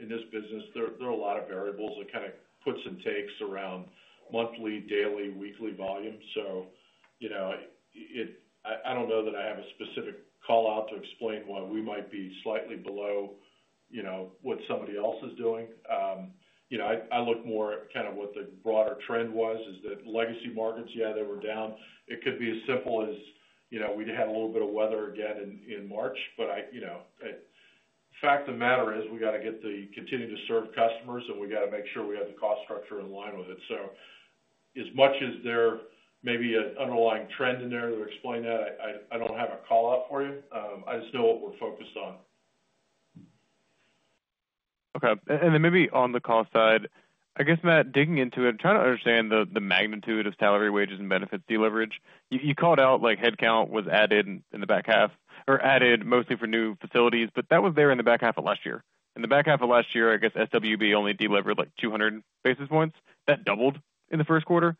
in this business, there are a lot of variables that kind of puts and takes around monthly, daily, weekly volume. I don't know that I have a specific call-out to explain why we might be slightly below what somebody else is doing. I look more at kind of what the broader trend was, is that legacy markets, yeah, they were down. It could be as simple as we had a little bit of weather again in March. The fact of the matter is we got to continue to serve customers, and we got to make sure we have the cost structure in line with it. As much as there may be an underlying trend in there to explain that, I do not have a call-out for you. I just know what we are focused on. Okay. Maybe on the cost side, I guess, Matt, digging into it, I'm trying to understand the magnitude of Salary Wages and Benefits deliverage. You called out headcount was added in the back half or added mostly for new facilities, but that was there in the back half of last year. In the back half of last year, I guess SWB only delivered like 200 basis points. That doubled in the first quarter.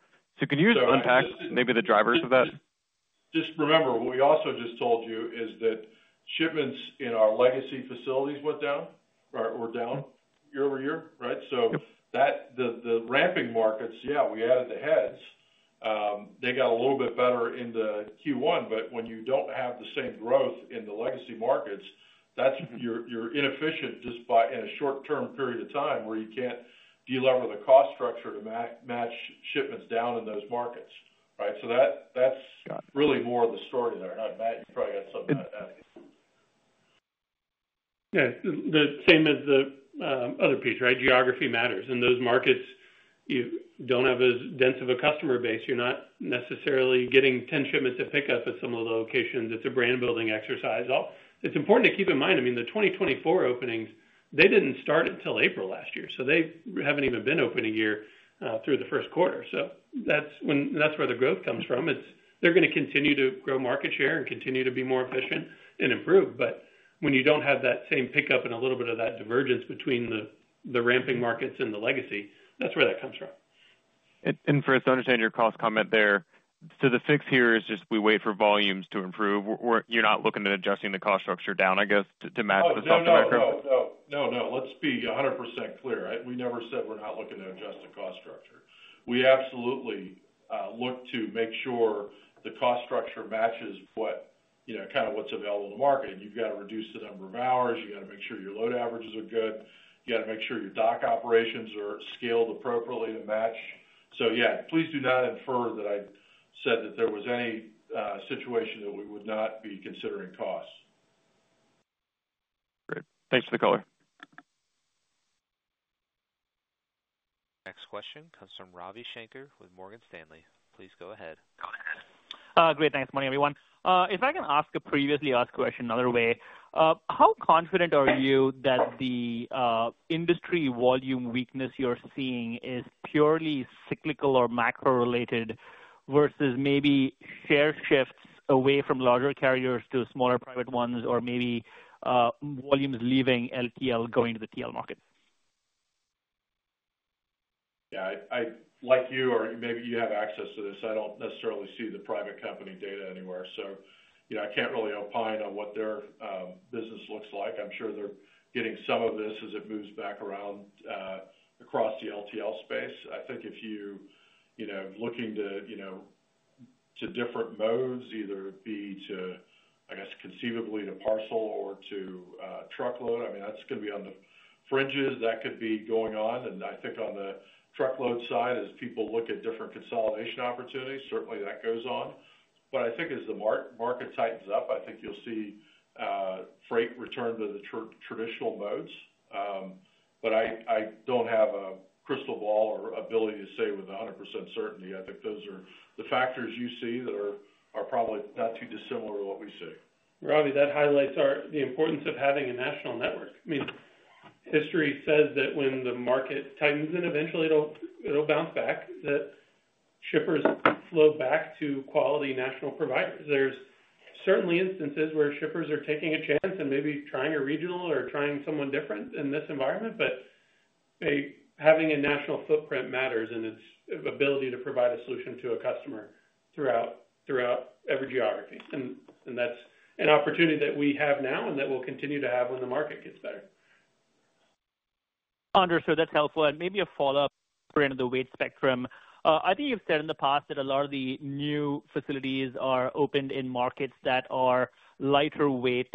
Can you just unpack maybe the drivers of that? Just remember, what we also just told you is that shipments in our legacy facilities went down or down r, right? The ramping markets, yeah, we added the heads. They got a little bit better in the Q1, but when you do not have the same growth in the legacy markets, you are inefficient just in a short-term period of time where you cannot deliver the cost structure to match shipments down in those markets, right? That is really more of the story there. Matt, you probably got something to add to that. Yeah. The same as the other piece, right? Geography matters. In those markets, you do not have as dense of a customer base. You are not necessarily getting 10 shipments of pickup at some of the locations. It is a brand-building exercise. It is important to keep in mind, I mean, the 2024 openings, they did not start until April last year. They have not even been opening year through the first quarter. That is where the growth comes from. They are going to continue to grow market share and continue to be more efficient and improve. When you do not have that same pickup and a little bit of that divergence between the ramping markets and the legacy, that is where that comes from. Fritz, I understand your cost comment there. The fix here is just we wait for volumes to improve. You're not looking at adjusting the cost structure down, I guess, to match the sub-market? No, no, no, no, no. Let's be 100% clear, right? We never said we're not looking to adjust the cost structure. We absolutely look to make sure the cost structure matches kind of what's available in the market. You got to reduce the number of hours. You got to make sure your load averages are good. You got to make sure your dock operations are scaled appropriately to match. Yeah, please do not infer that I said that there was any situation that we would not be considering costs. Great. Thanks for the call. Next question, comes from Ravi Shankar with Morgan Stanley. Please go ahead. Great. Thanks. Morning, everyone. If I can ask a previously asked question another way, how confident are you that the industry volume weakness you're seeing is purely cyclical or macro-related versus maybe share shifts away from larger carriers to smaller private ones, or maybe volumes leaving LTL going to the TL market? Yeah. Like you, or maybe you have access to this, I do not necessarily see the private company data anywhere. I cannot really opine on what their business looks like. I am sure they are getting some of this as it moves back around across the LTL space. I think if you are looking to different modes, either be to, I guess, conceivably to parcel or to truckload, I mean, that is going to be on the fringes. That could be going on. I think on the truckload side, as people look at different consolidation opportunities, certainly that goes on. I think as the market tightens up, you will see freight return to the traditional modes. I do not have a crystal ball or ability to say with 100% certainty. I think those are the factors you see that are probably not too dissimilar to what we see. Ravi, that highlights the importance of having a national network. I mean, history says that when the market tightens in, eventually it will bounce back, that shippers flow back to quality national providers. There are certainly instances where shippers are taking a chance and maybe trying a regional or trying someone different in this environment, but having a national footprint matters in its ability to provide a solution to a customer throughout every geography. That is an opportunity that we have now and that we will continue to have when the market gets better. Understood. That's helpful. Maybe a follow-up, Brandon, on the weight spectrum. I think you've said in the past that a lot of the new facilities are opened in markets that are lighter weight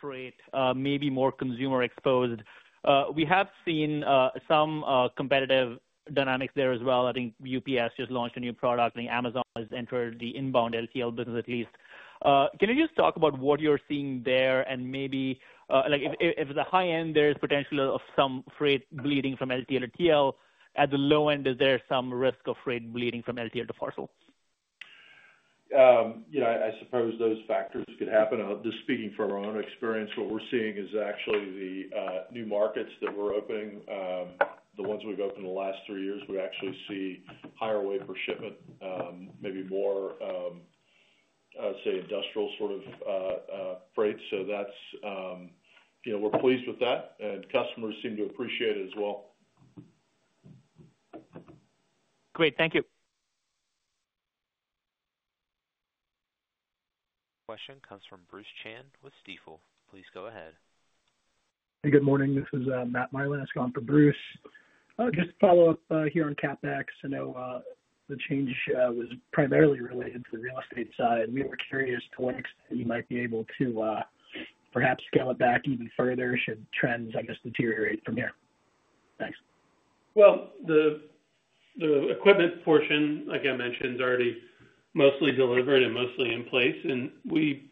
freight, maybe more consumer-exposed. We have seen some competitive dynamics there as well. I think UPS just launched a new product. I think Amazon has entered the inbound LTL business at least. Can you just talk about what you're seeing there? Maybe if at the high end, there is potential of some freight bleeding from LTL to TL, at the low end, is there some risk of freight bleeding from LTL to parcel? I suppose those factors could happen. Just speaking from our own experience, what we're seeing is actually the new markets that we're opening, the ones we've opened in the last three years, we actually see higher weight per shipment, maybe more, I'd say, industrial sort of freight. So we're pleased with that, and customers seem to appreciate it as well. Great. Thank you. Question comes from Bruce Chan with Stifel. Please go ahead. Hey, good morning. This is Matt Mylen. That's going for Bruce. Just to follow up here on CapEx, I know the change was primarily related to the real estate side. We were curious to what extent you might be able to perhaps scale it back even further should trends, I guess, deteriorate from here. Thanks. The equipment portion, like I mentioned, is already mostly delivered and mostly in place. We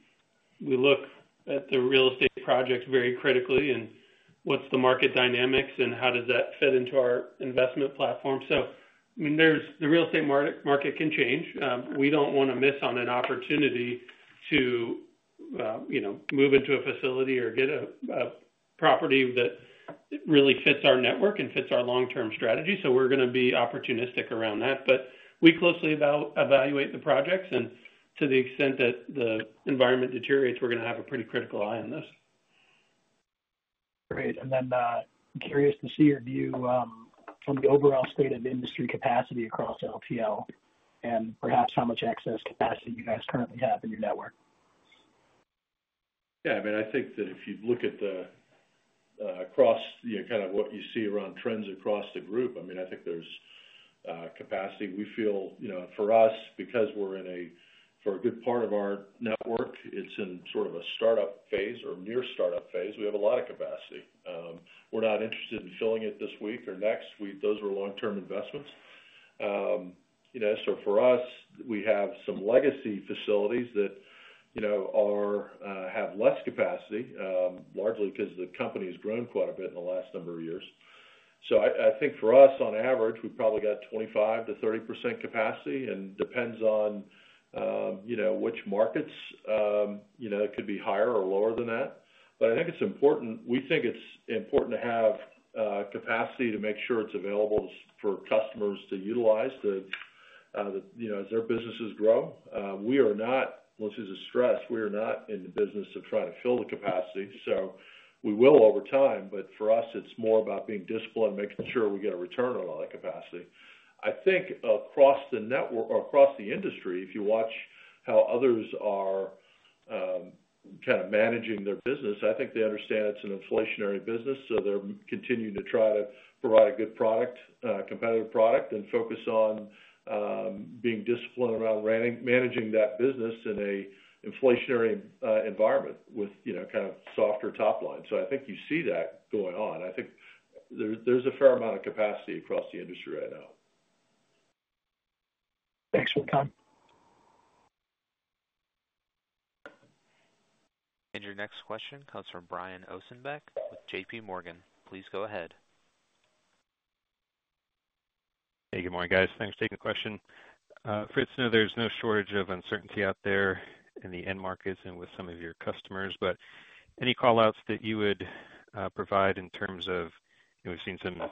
look at the real estate projects very critically and what is the market dynamics and how does that fit into our investment platform. I mean, the real estate market can change. We do not want to miss on an opportunity to move into a facility or get a property that really fits our network and fits our long-term strategy. We are going to be opportunistic around that. We closely evaluate the projects. To the extent that the environment deteriorates, we are going to have a pretty critical eye on this. Great. I am curious to see your view from the overall state of industry capacity across LTL and perhaps how much excess capacity you guys currently have in your network. Yeah. I mean, I think that if you look at the across kind of what you see around trends across the group, I mean, I think there's capacity. We feel for us, because we're in a for a good part of our network, it's in sort of a startup phase or near startup phase. We have a lot of capacity. We're not interested in filling it this week or next. Those were long-term investments. For us, we have some legacy facilities that have less capacity, largely because the company has grown quite a bit in the last number of years. I think for us, on average, we probably got 25%-30% capacity. It depends on which markets. It could be higher or lower than that. I think it's important, we think it's important to have capacity to make sure it's available for customers to utilize as their businesses grow. We are not, unless there's a stress, we are not in the business of trying to fill the capacity. We will over time, but for us, it's more about being disciplined and making sure we get a return on all that capacity. I think across the network or across the industry, if you watch how others are kind of managing their business, I think they understand it's an inflationary business. They are continuing to try to provide a good product, a competitive product, and focus on being disciplined around managing that business in an inflationary environment with kind of softer top line. I think you see that going on. I think there's a fair amount of capacity across the industry right now. Thanks for your time. Your next question comes from Brian Ossenbeck with J.P. Morgan. Please go ahead. Hey, good morning, guys. Thanks for taking the question. Fritz, I know there's no shortage of uncertainty out there in the end markets and with some of your customers, but any call-outs that you would provide in terms of we've seen some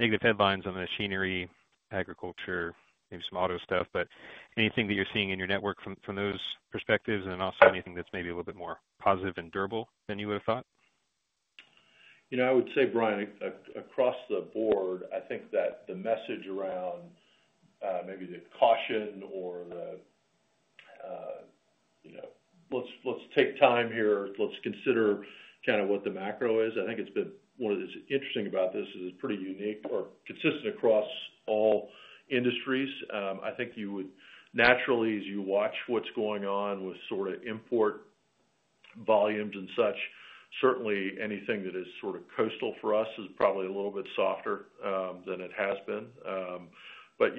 negative headlines on the machinery, agriculture, maybe some auto stuff, but anything that you're seeing in your network from those perspectives and then also anything that's maybe a little bit more positive and durable than you would have thought? I would say, Brian, across the board, I think that the message around maybe the caution or the, "Let's take time here. Let's consider kind of what the macro is." I think it's been one of the interesting things about this is it's pretty unique or consistent across all industries. I think you would naturally, as you watch what's going on with sort of import volumes and such, certainly anything that is sort of coastal for us is probably a little bit softer than it has been.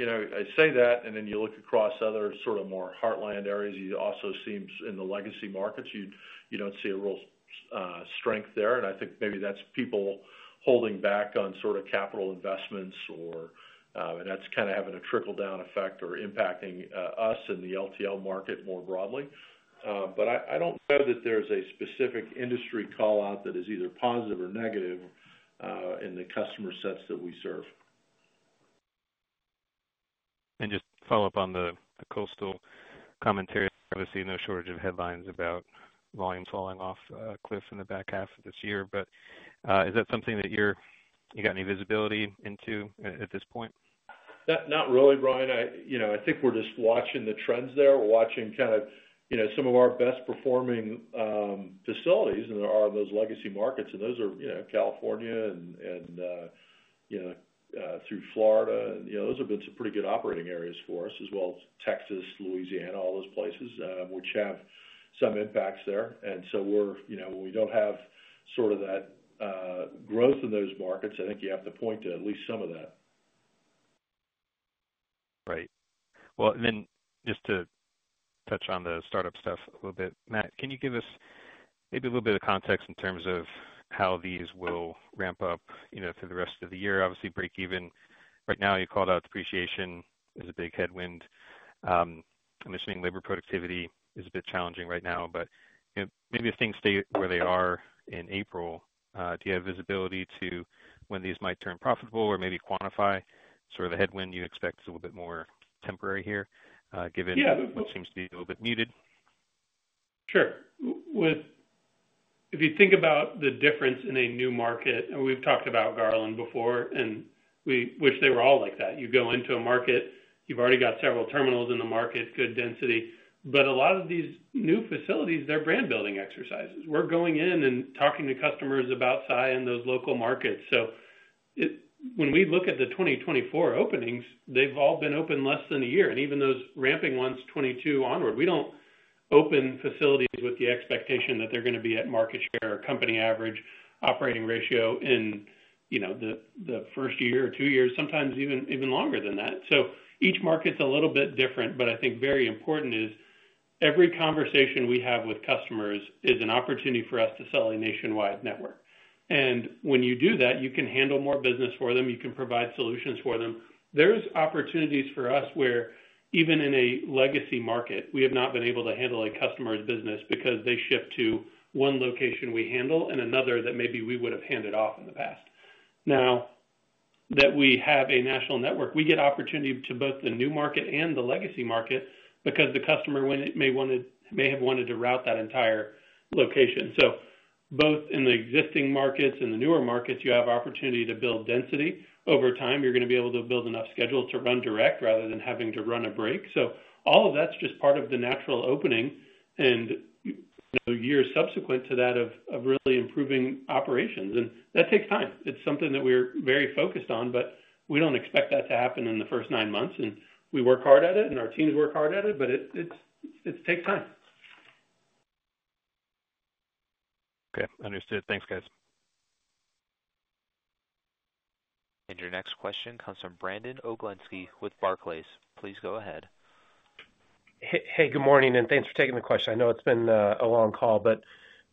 I say that, and then you look across other sort of more heartland areas, you also see in the legacy markets, you don't see a real strength there. I think maybe that's people holding back on sort of capital investments, and that's kind of having a trickle-down effect or impacting us in the LTL market more broadly. I don't know that there's a specific industry call-out that is either positive or negative in the customer sets that we serve. Just to follow up on the coastal commentary, obviously, no shortage of headlines about volumes falling off a cliff in the back half of this year. Is that something that you've got any visibility into at this point? Not really, Brian. I think we're just watching the trends there. We're watching kind of some of our best-performing facilities that are in those legacy markets. Those are California and through Florida. Those have been some pretty good operating areas for us, as well as Texas, Louisiana, all those places, which have some impacts there. When we don't have sort of that growth in those markets, I think you have to point to at least some of that. Right. Well, and then just to touch on the startup stuff a little bit, Matt, can you give us maybe a little bit of context in terms of how these will ramp up through the rest of the year? Obviously, break-even right now, you called out depreciation as a big headwind. I'm assuming labor productivity is a bit challenging right now. But maybe if things stay where they are in April, do you have visibility to when these might turn profitable or maybe quantify sort of the headwind you expect is a little bit more temporary here given what seems to be a little bit muted? Sure. If you think about the difference in a new market, and we've talked about Garland before, and we wish they were all like that. You go into a market, you've already got several terminals in the market, good density. A lot of these new facilities, they're brand-building exercises. We're going in and talking to customers about Saia in those local markets. When we look at the 2024 openings, they've all been open less than a year. Even those ramping ones, 2022 onward, we don't open facilities with the expectation that they're going to be at market share or company average operating ratio in the first year or two years, sometimes even longer than that. Each market's a little bit different. I think very important is every conversation we have with customers is an opportunity for us to sell a nationwide network. When you do that, you can handle more business for them. You can provide solutions for them. There's opportunities for us where even in a legacy market, we have not been able to handle a customer's business because they ship to one location we handle and another that maybe we would have handed off in the past. Now that we have a national network, we get opportunity to both the new market and the legacy market because the customer may have wanted to route that entire location. Both in the existing markets and the newer markets, you have opportunity to build density. Over time, you're going to be able to build enough schedule to run direct rather than having to run a break. All of that's just part of the natural opening and years subsequent to that of really improving operations. That takes time. It's something that we're very focused on, but we don't expect that to happen in the first nine months. We work hard at it, and our teams work hard at it, but it takes time. Okay. Understood. Thanks, guys. Your next question comes from Brandon Oglensky with Barclays. Please go ahead. Hey, good morning, and thanks for taking the question. I know it's been a long call.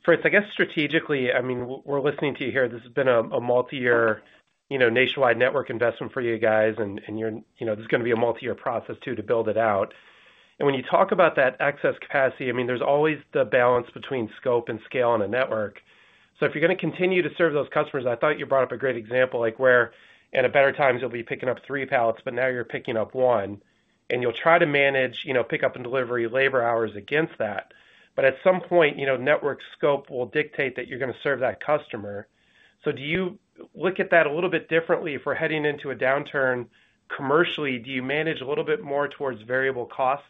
Fritz, I guess strategically, I mean, we're listening to you here. This has been a multi-year nationwide network investment for you guys, and this is going to be a multi-year process too to build it out. When you talk about that excess capacity, I mean, there's always the balance between scope and scale in a network. If you're going to continue to serve those customers, I thought you brought up a great example where in better times, you'll be picking up three pallets, but now you're picking up one. You'll try to manage pickup and delivery labor hours against that. At some point, network scope will dictate that you're going to serve that customer. Do you look at that a little bit differently if we're heading into a downturn commercially? Do you manage a little bit more towards variable cost,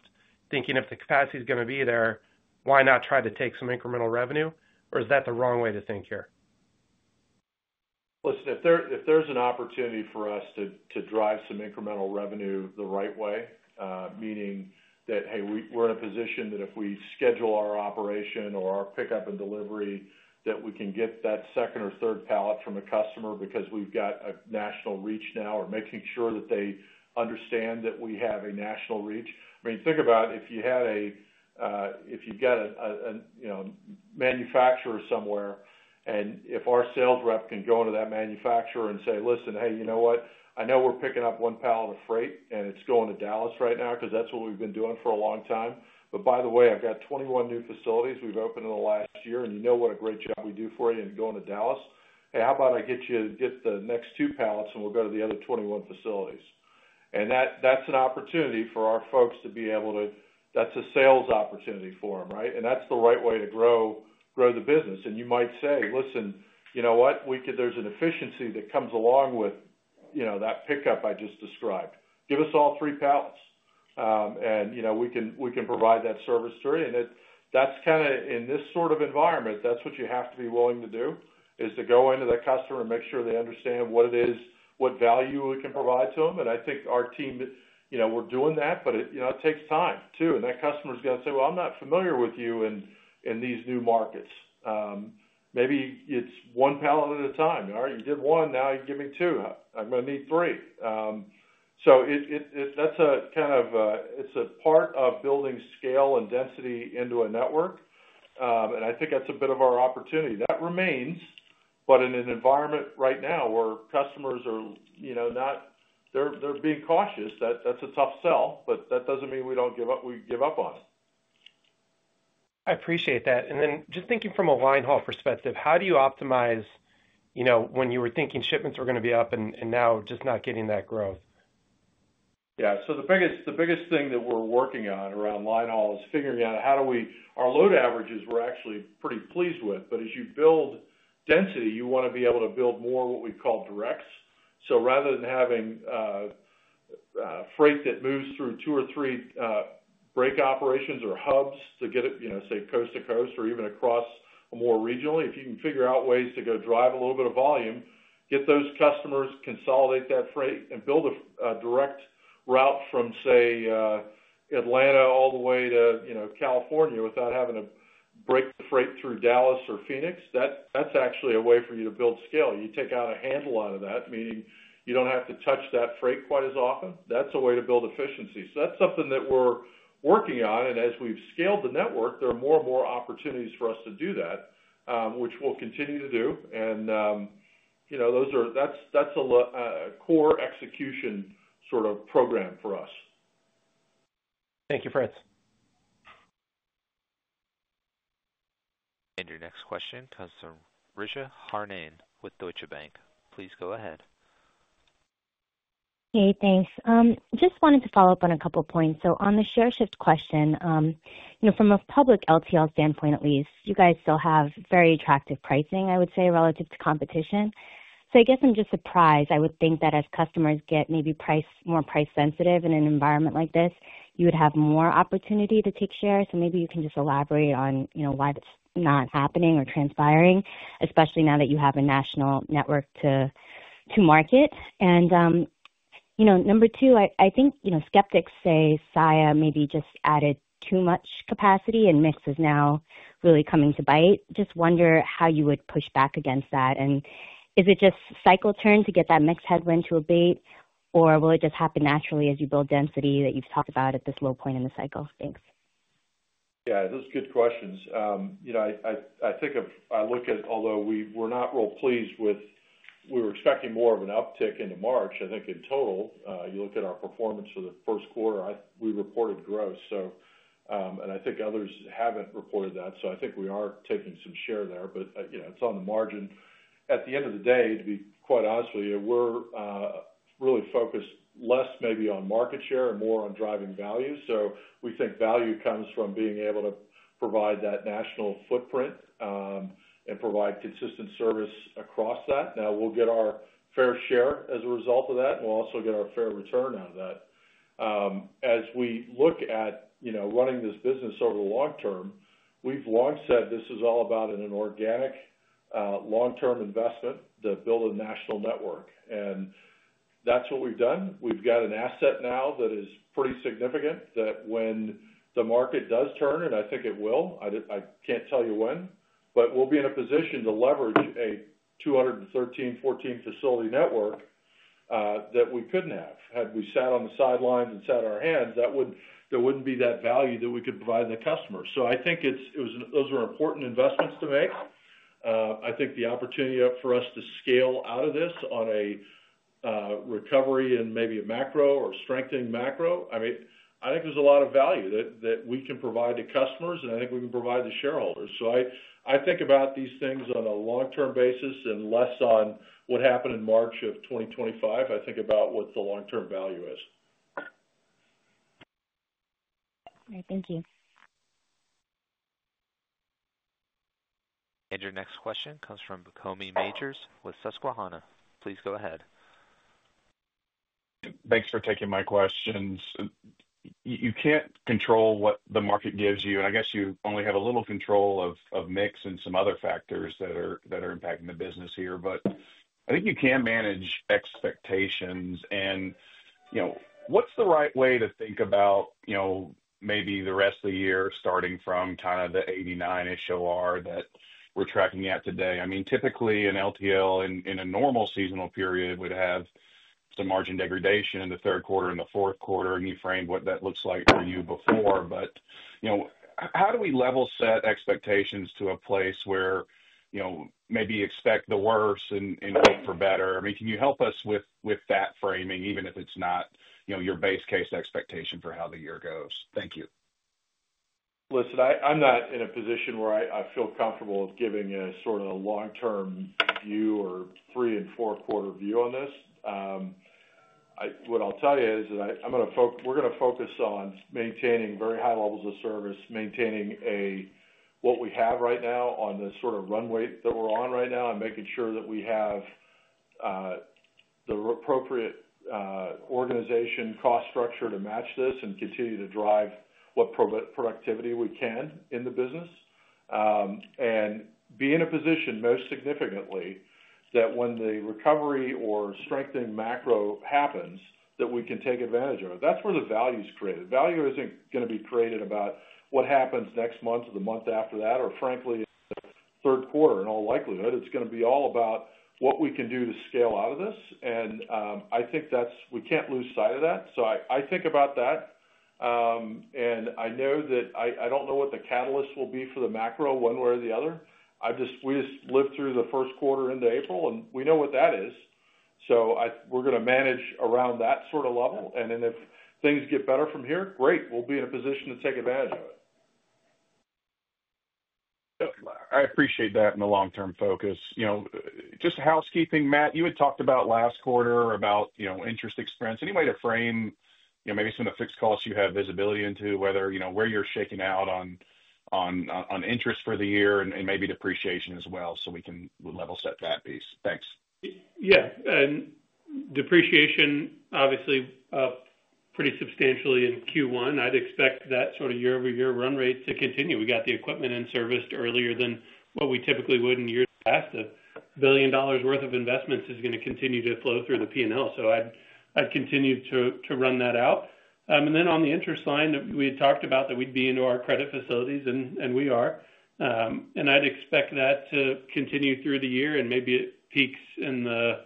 thinking if the capacity is going to be there, why not try to take some incremental revenue? Or is that the wrong way to think here? Listen, if there's an opportunity for us to drive some incremental revenue the right way, meaning that, hey, we're in a position that if we schedule our operation or our pickup and delivery, that we can get that second or third pallet from a customer because we've got a national reach now or making sure that they understand that we have a national reach. I mean, think about if you've got a manufacturer somewhere, and if our sales rep can go into that manufacturer and say, "Listen, hey, you know what? I know we're picking up one pallet of freight, and it's going to Dallas right now because that's what we've been doing for a long time. By the way, I've got 21 new facilities we've opened in the last year, and you know what a great job we do for you in going to Dallas. Hey, how about I get you to get the next two pallets, and we'll go to the other 21 facilities? That's an opportunity for our folks to be able to—that's a sales opportunity for them, right? That's the right way to grow the business. You might say, "Listen, you know what? There's an efficiency that comes along with that pickup I just described. Give us all three pallets, and we can provide that service to you." In this sort of environment, that's what you have to be willing to do, to go into that customer and make sure they understand what it is, what value we can provide to them. I think our team, we're doing that, but it takes time too. That customer's going to say, "Well, I'm not familiar with you in these new markets. Maybe it's one pallet at a time. All right, you did one. Now you give me two. I'm going to need three." That's a kind of it's a part of building scale and density into a network. I think that's a bit of our opportunity. That remains, but in an environment right now where customers are not, they're being cautious. That's a tough sell, but that doesn't mean we don't give up on it. I appreciate that. Just thinking from a line haul perspective, how do you optimize when you were thinking shipments were going to be up and now just not getting that growth? Yeah. The biggest thing that we're working on around linehaul is figuring out how do we our load averages we're actually pretty pleased with. As you build density, you want to be able to build more what we call directs. Rather than having freight that moves through two or three break operations or hubs to get it, say, coast to coast or even across more regionally, if you can figure out ways to go drive a little bit of volume, get those customers, consolidate that freight, and build a direct route from, say, Atlanta all the way to California without having to break the freight through Dallas or Phoenix, that's actually a way for you to build scale. You take out a handle out of that, meaning you don't have to touch that freight quite as often. That's a way to build efficiency. That is something that we are working on. As we have scaled the network, there are more and more opportunities for us to do that, which we will continue to do. That is a core execution sort of program for us. Thank you, Fritz. Your next question comes from Risha Harnan with Deutsche Bank. Please go ahead. Hey, thanks. Just wanted to follow up on a couple of points. On the share shift question, from a public LTL standpoint at least, you guys still have very attractive pricing, I would say, relative to competition. I guess I'm just surprised. I would think that as customers get maybe more price-sensitive in an environment like this, you would have more opportunity to take share. Maybe you can just elaborate on why that's not happening or transpiring, especially now that you have a national network to market. Number two, I think skeptics say Saia maybe just added too much capacity, and mix is now really coming to bite. Just wonder how you would push back against that. Is it just cycle turn to get that mix headwind to abate, or will it just happen naturally as you build density that you've talked about at this low point in the cycle? Thanks. Yeah, those are good questions. I think I look at although we're not real pleased with we were expecting more of an uptick into March, I think in total. You look at our performance for the first quarter, we reported growth. I think others haven't reported that. I think we are taking some share there, but it's on the margin. At the end of the day, to be quite honest with you, we're really focused less maybe on market share and more on driving value. We think value comes from being able to provide that national footprint and provide consistent service across that. Now we'll get our fair share as a result of that, and we'll also get our fair return out of that. As we look at running this business over the long term, we've long said this is all about an organic long-term investment to build a national network. That is what we've done. We've got an asset now that is pretty significant that when the market does turn, and I think it will, I can't tell you when, but we'll be in a position to leverage a 213, 214 facility network that we couldn't have. Had we sat on the sidelines and sat on our hands, there wouldn't be that value that we could provide the customer. I think those were important investments to make. I think the opportunity for us to scale out of this on a recovery and maybe a macro or strengthening macro, I mean, I think there's a lot of value that we can provide to customers, and I think we can provide to shareholders. I think about these things on a long-term basis and less on what happened in March of 2025. I think about what the long-term value is. All right. Thank you. Your next question comes from Bascome Majors with Susquehanna. Please go ahead. Thanks for taking my questions. You can't control what the market gives you. I guess you only have a little control of mix and some other factors that are impacting the business here. I think you can manage expectations. What's the right way to think about maybe the rest of the year starting from kind of the '89 issue that we're tracking out today? I mean, typically, an LTL in a normal seasonal period would have some margin degradation in the third quarter and the fourth quarter. You framed what that looks like for you before. How do we level set expectations to a place where maybe expect the worst and hope for better? I mean, can you help us with that framing, even if it's not your base case expectation for how the year goes? Thank you. Listen, I'm not in a position where I feel comfortable giving a sort of long-term view or three and four-quarter view on this. What I'll tell you is that we're going to focus on maintaining very high levels of service, maintaining what we have right now on the sort of runway that we're on right now, and making sure that we have the appropriate organization cost structure to match this and continue to drive what productivity we can in the business. Be in a position most significantly that when the recovery or strengthening macro happens, that we can take advantage of it. That's where the value is created. Value isn't going to be created about what happens next month or the month after that, or frankly, third quarter in all likelihood. It's going to be all about what we can do to scale out of this. I think we can't lose sight of that. I think about that. I know that I don't know what the catalysts will be for the macro one way or the other. We just lived through the first quarter into April, and we know what that is. We're going to manage around that sort of level. If things get better from here, great, we'll be in a position to take advantage of it. I appreciate that in the long-term focus. Just housekeeping, Matt, you had talked about last quarter about interest expense. Any way to frame maybe some of the fixed costs you have visibility into, whether where you're shaking out on interest for the year and maybe depreciation as well so we can level set that piece? Thanks. Yeah. Depreciation, obviously, pretty substantially in Q1. I'd expect that sort of YoY run rate to continue. We got the equipment in service earlier than what we typically would in years past. A billion dollars worth of investments is going to continue to flow through the P&L. I'd continue to run that out. On the interest line, we had talked about that we'd be into our credit facilities, and we are. I'd expect that to continue through the year and maybe peaks in the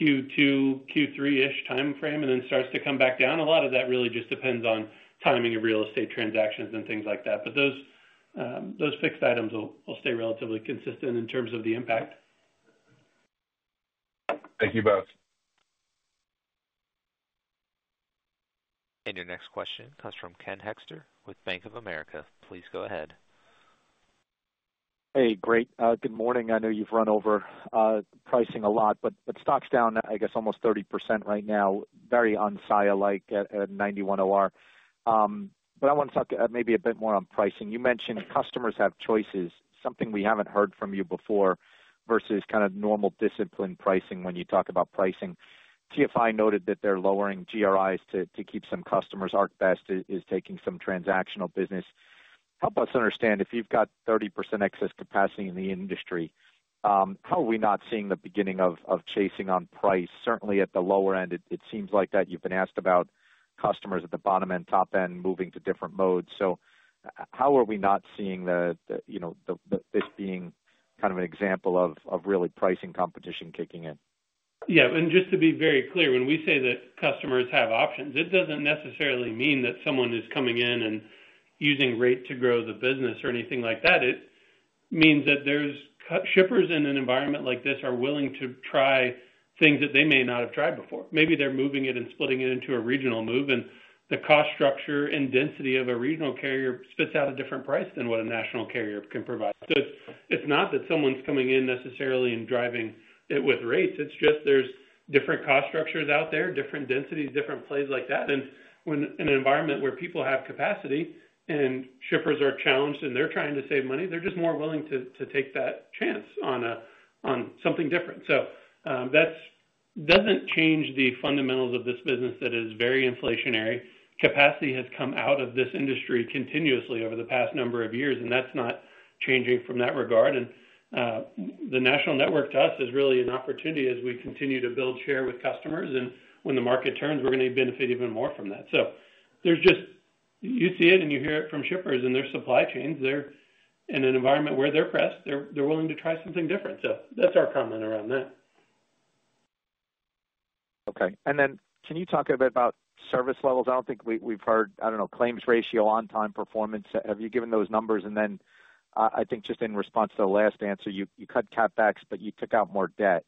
Q2, Q3-ish timeframe and then starts to come back down. A lot of that really just depends on timing of real estate transactions and things like that. Those fixed items will stay relatively consistent in terms of the impact. Thank you both. Your next question comes from Ken Hexter with Bank of America. Please go ahead. Hey, great. Good morning. I know you've run over pricing a lot, but stock's down, I guess, almost 30% right now, very un-Saia-like at 91 OR. I want to talk maybe a bit more on pricing. You mentioned customers have choices, something we haven't heard from you before versus kind of normal discipline pricing when you talk about pricing. TFI noted that they're lowering GRIs to keep some customers. ArcBest is taking some transactional business. Help us understand if you've got 30% excess capacity in the industry, how are we not seeing the beginning of chasing on price? Certainly at the lower end, it seems like that you've been asked about customers at the bottom and top end moving to different modes. How are we not seeing this being kind of an example of really pricing competition kicking in? Yeah. Just to be very clear, when we say that customers have options, it does not necessarily mean that someone is coming in and using rate to grow the business or anything like that. It means that shippers in an environment like this are willing to try things that they may not have tried before. Maybe they are moving it and splitting it into a regional move, and the cost structure and density of a regional carrier spits out a different price than what a national carrier can provide. It is not that someone is coming in necessarily and driving it with rates. There are just different cost structures out there, different densities, different plays like that. In an environment where people have capacity and shippers are challenged and they are trying to save money, they are just more willing to take that chance on something different. That does not change the fundamentals of this business that is very inflationary. Capacity has come out of this industry continuously over the past number of years, and that is not changing from that regard. The national network to us is really an opportunity as we continue to build share with customers. When the market turns, we are going to benefit even more from that. You see it and you hear it from shippers, and their supply chains, they are in an environment where they are pressed. They are willing to try something different. That is our comment around that. Okay. Can you talk a bit about service levels? I do not think we have heard, I do not know, claims ratio, on-time performance. Have you given those numbers? I think just in response to the last answer, you cut CapEx, but you took out more debt,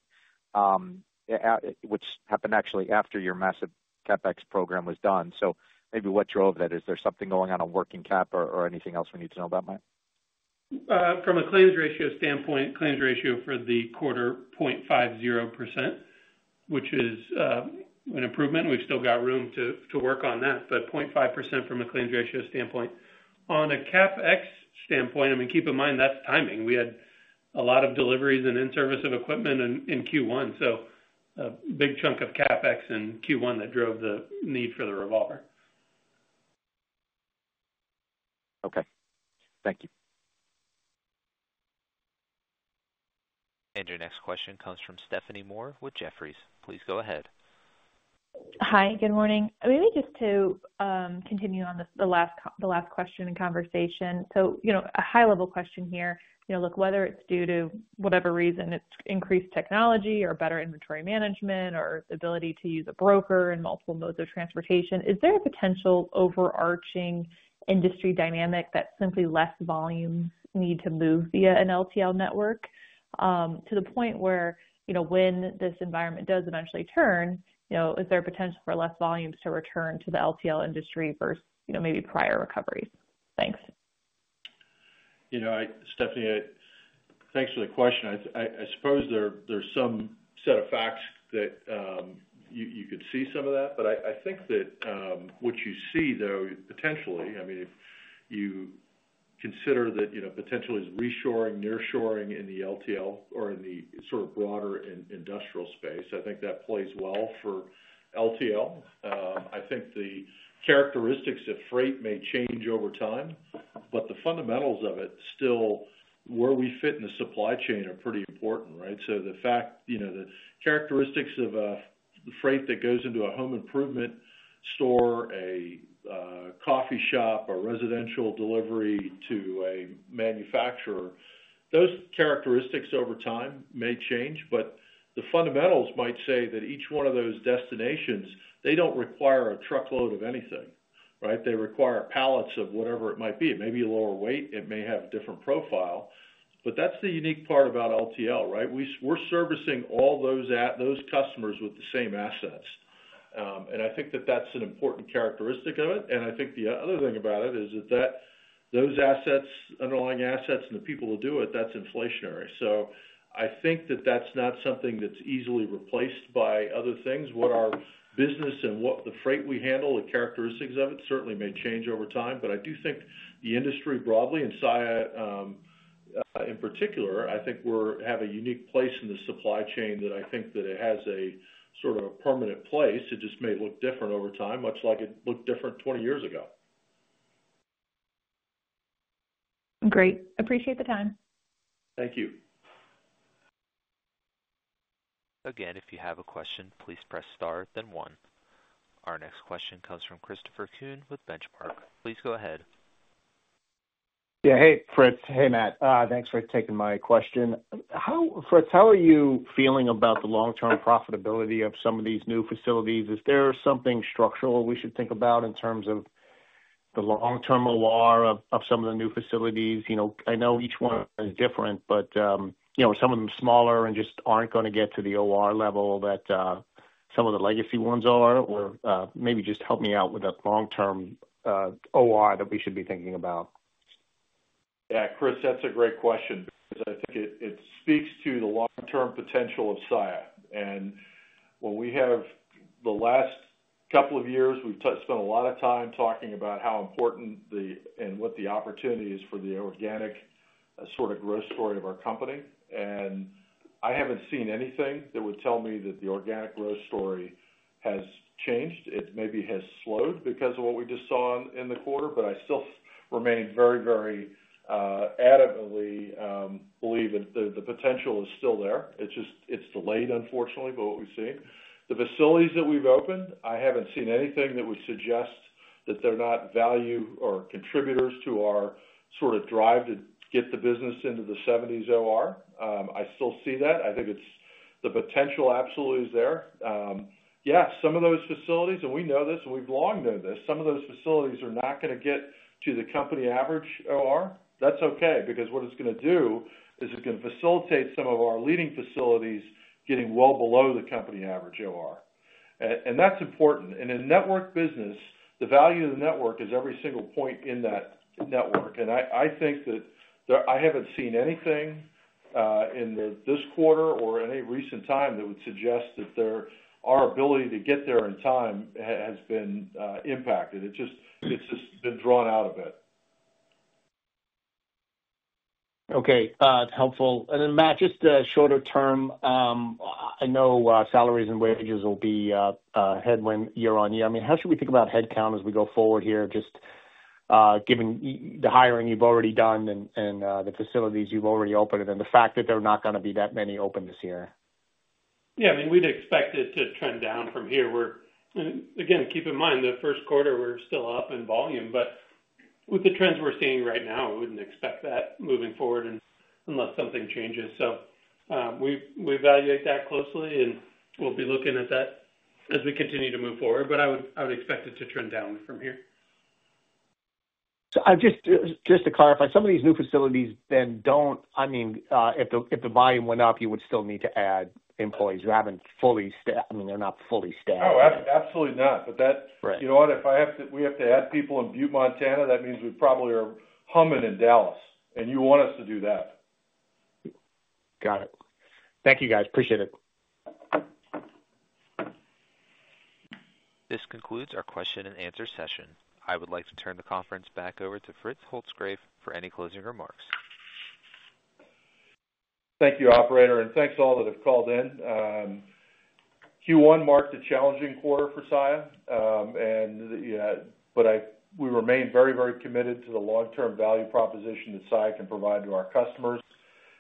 which happened actually after your massive CapEx program was done. Maybe what drove that? Is there something going on on working cap or anything else we need to know about, Matt? From a claims ratio standpoint, claims ratio for the quarter, 0.50%, which is an improvement. We've still got room to work on that, but 0.5% from a claims ratio standpoint. On a CapEx standpoint, I mean, keep in mind that's timing. We had a lot of deliveries and in-service of equipment in Q1. A big chunk of CapEx in Q1 that drove the need for the revolver. Okay. Thank you. Your next question comes from Stephanie Moore with Jefferies. Please go ahead. Hi. Good morning. Maybe just to continue on the last question and conversation. A high-level question here. Look, whether it's due to whatever reason, it's increased technology or better inventory management or the ability to use a broker and multiple modes of transportation, is there a potential overarching industry dynamic that simply less volumes need to move via an LTL network to the point where when this environment does eventually turn, is there a potential for less volumes to return to the LTL industry versus maybe prior recoveries? Thanks. Stephanie, thanks for the question. I suppose there's some set of facts that you could see some of that. I think that what you see, though, potentially, I mean, if you consider that potentially is reshoring, nearshoring in the LTL or in the sort of broader industrial space, I think that plays well for LTL. I think the characteristics of freight may change over time, but the fundamentals of it still, where we fit in the supply chain are pretty important, right? The characteristics of freight that goes into a home improvement store, a coffee shop, a residential delivery to a manufacturer, those characteristics over time may change. The fundamentals might say that each one of those destinations, they don't require a truckload of anything, right? They require pallets of whatever it might be. It may be lower weight. It may have a different profile. That's the unique part about LTL, right? We're servicing all those customers with the same assets. I think that that's an important characteristic of it. I think the other thing about it is that those assets, underlying assets and the people who do it, that's inflationary. I think that that's not something that's easily replaced by other things. What our business and what the freight we handle, the characteristics of it, certainly may change over time. I do think the industry broadly and Saia in particular, I think we have a unique place in the supply chain that I think that it has a sort of a permanent place. It just may look different over time, much like it looked different 20 years ago. Great. Appreciate the time. Thank you. Again, if you have a question, please press star, then one. Our next question comes from Christopher Kuhn with The Benchmark Company. Please go ahead. Yeah. Hey, Fritz. Hey, Matt. Thanks for taking my question. Fritz, how are you feeling about the long-term profitability of some of these new facilities? Is there something structural we should think about in terms of the long-term OR of some of the new facilities? I know each one is different, but some of them smaller and just aren't going to get to the OR level that some of the legacy ones are. Maybe just help me out with a long-term OR that we should be thinking about. Yeah. Chris, that's a great question because I think it speaks to the long-term potential of Saia. When we have the last couple of years, we've spent a lot of time talking about how important and what the opportunity is for the organic sort of growth story of our company. I haven't seen anything that would tell me that the organic growth story has changed. It maybe has slowed because of what we just saw in the quarter. I still remain very, very adamantly believe that the potential is still there. It's delayed, unfortunately, but what we've seen. The facilities that we've opened, I haven't seen anything that would suggest that they're not value or contributors to our sort of drive to get the business into the 70s operating ratio. I still see that. I think the potential absolutely is there. Yeah, some of those facilities, and we know this, and we've long known this, some of those facilities are not going to get to the company average OR. That's okay because what it's going to do is it's going to facilitate some of our leading facilities getting well below the company average OR. That's important. In network business, the value of the network is every single point in that network. I think that I haven't seen anything in this quarter or any recent time that would suggest that our ability to get there in time has been impacted. It's just been drawn out a bit. Okay. Helpful. I mean, Matt, just shorter term, I know salaries and wages will be headwind year-on-year. I mean, how should we think about headcount as we go forward here, just given the hiring you've already done and the facilities you've already opened and the fact that there are not going to be that many open this year? Yeah. I mean, we'd expect it to trend down from here. Again, keep in mind the first quarter, we're still up in volume. With the trends we're seeing right now, we wouldn't expect that moving forward unless something changes. We evaluate that closely, and we'll be looking at that as we continue to move forward. I would expect it to trend down from here. Just to clarify, some of these new facilities then do not—I mean, if the volume went up, you would still need to add employees. You have not fully—I mean, they are not fully staffed. Oh, absolutely not. You know what? If we have to add people in Butte, Montana, that means we probably are humming in Dallas, and you want us to do that. Got it. Thank you, guys. Appreciate it. This concludes our question-and-answer session. I would like to turn the conference back over to Fritz Holzgrefe for any closing remarks. Thank you, operator. Thank you to all that have called in. Q1 marked a challenging quarter for Saia, but we remain very, very committed to the long-term value proposition that Saia can provide to our customers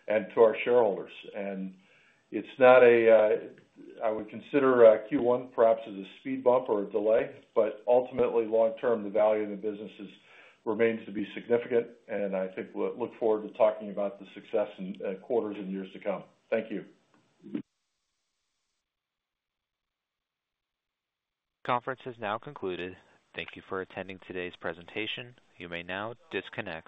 and to our shareholders. It is not a—I would consider Q1 perhaps as a speed bump or a delay, but ultimately, long-term, the value of the business remains to be significant. I think we will look forward to talking about the success in quarters and years to come. Thank you. Conference has now concluded. Thank you for attending today's presentation. You may now disconnect.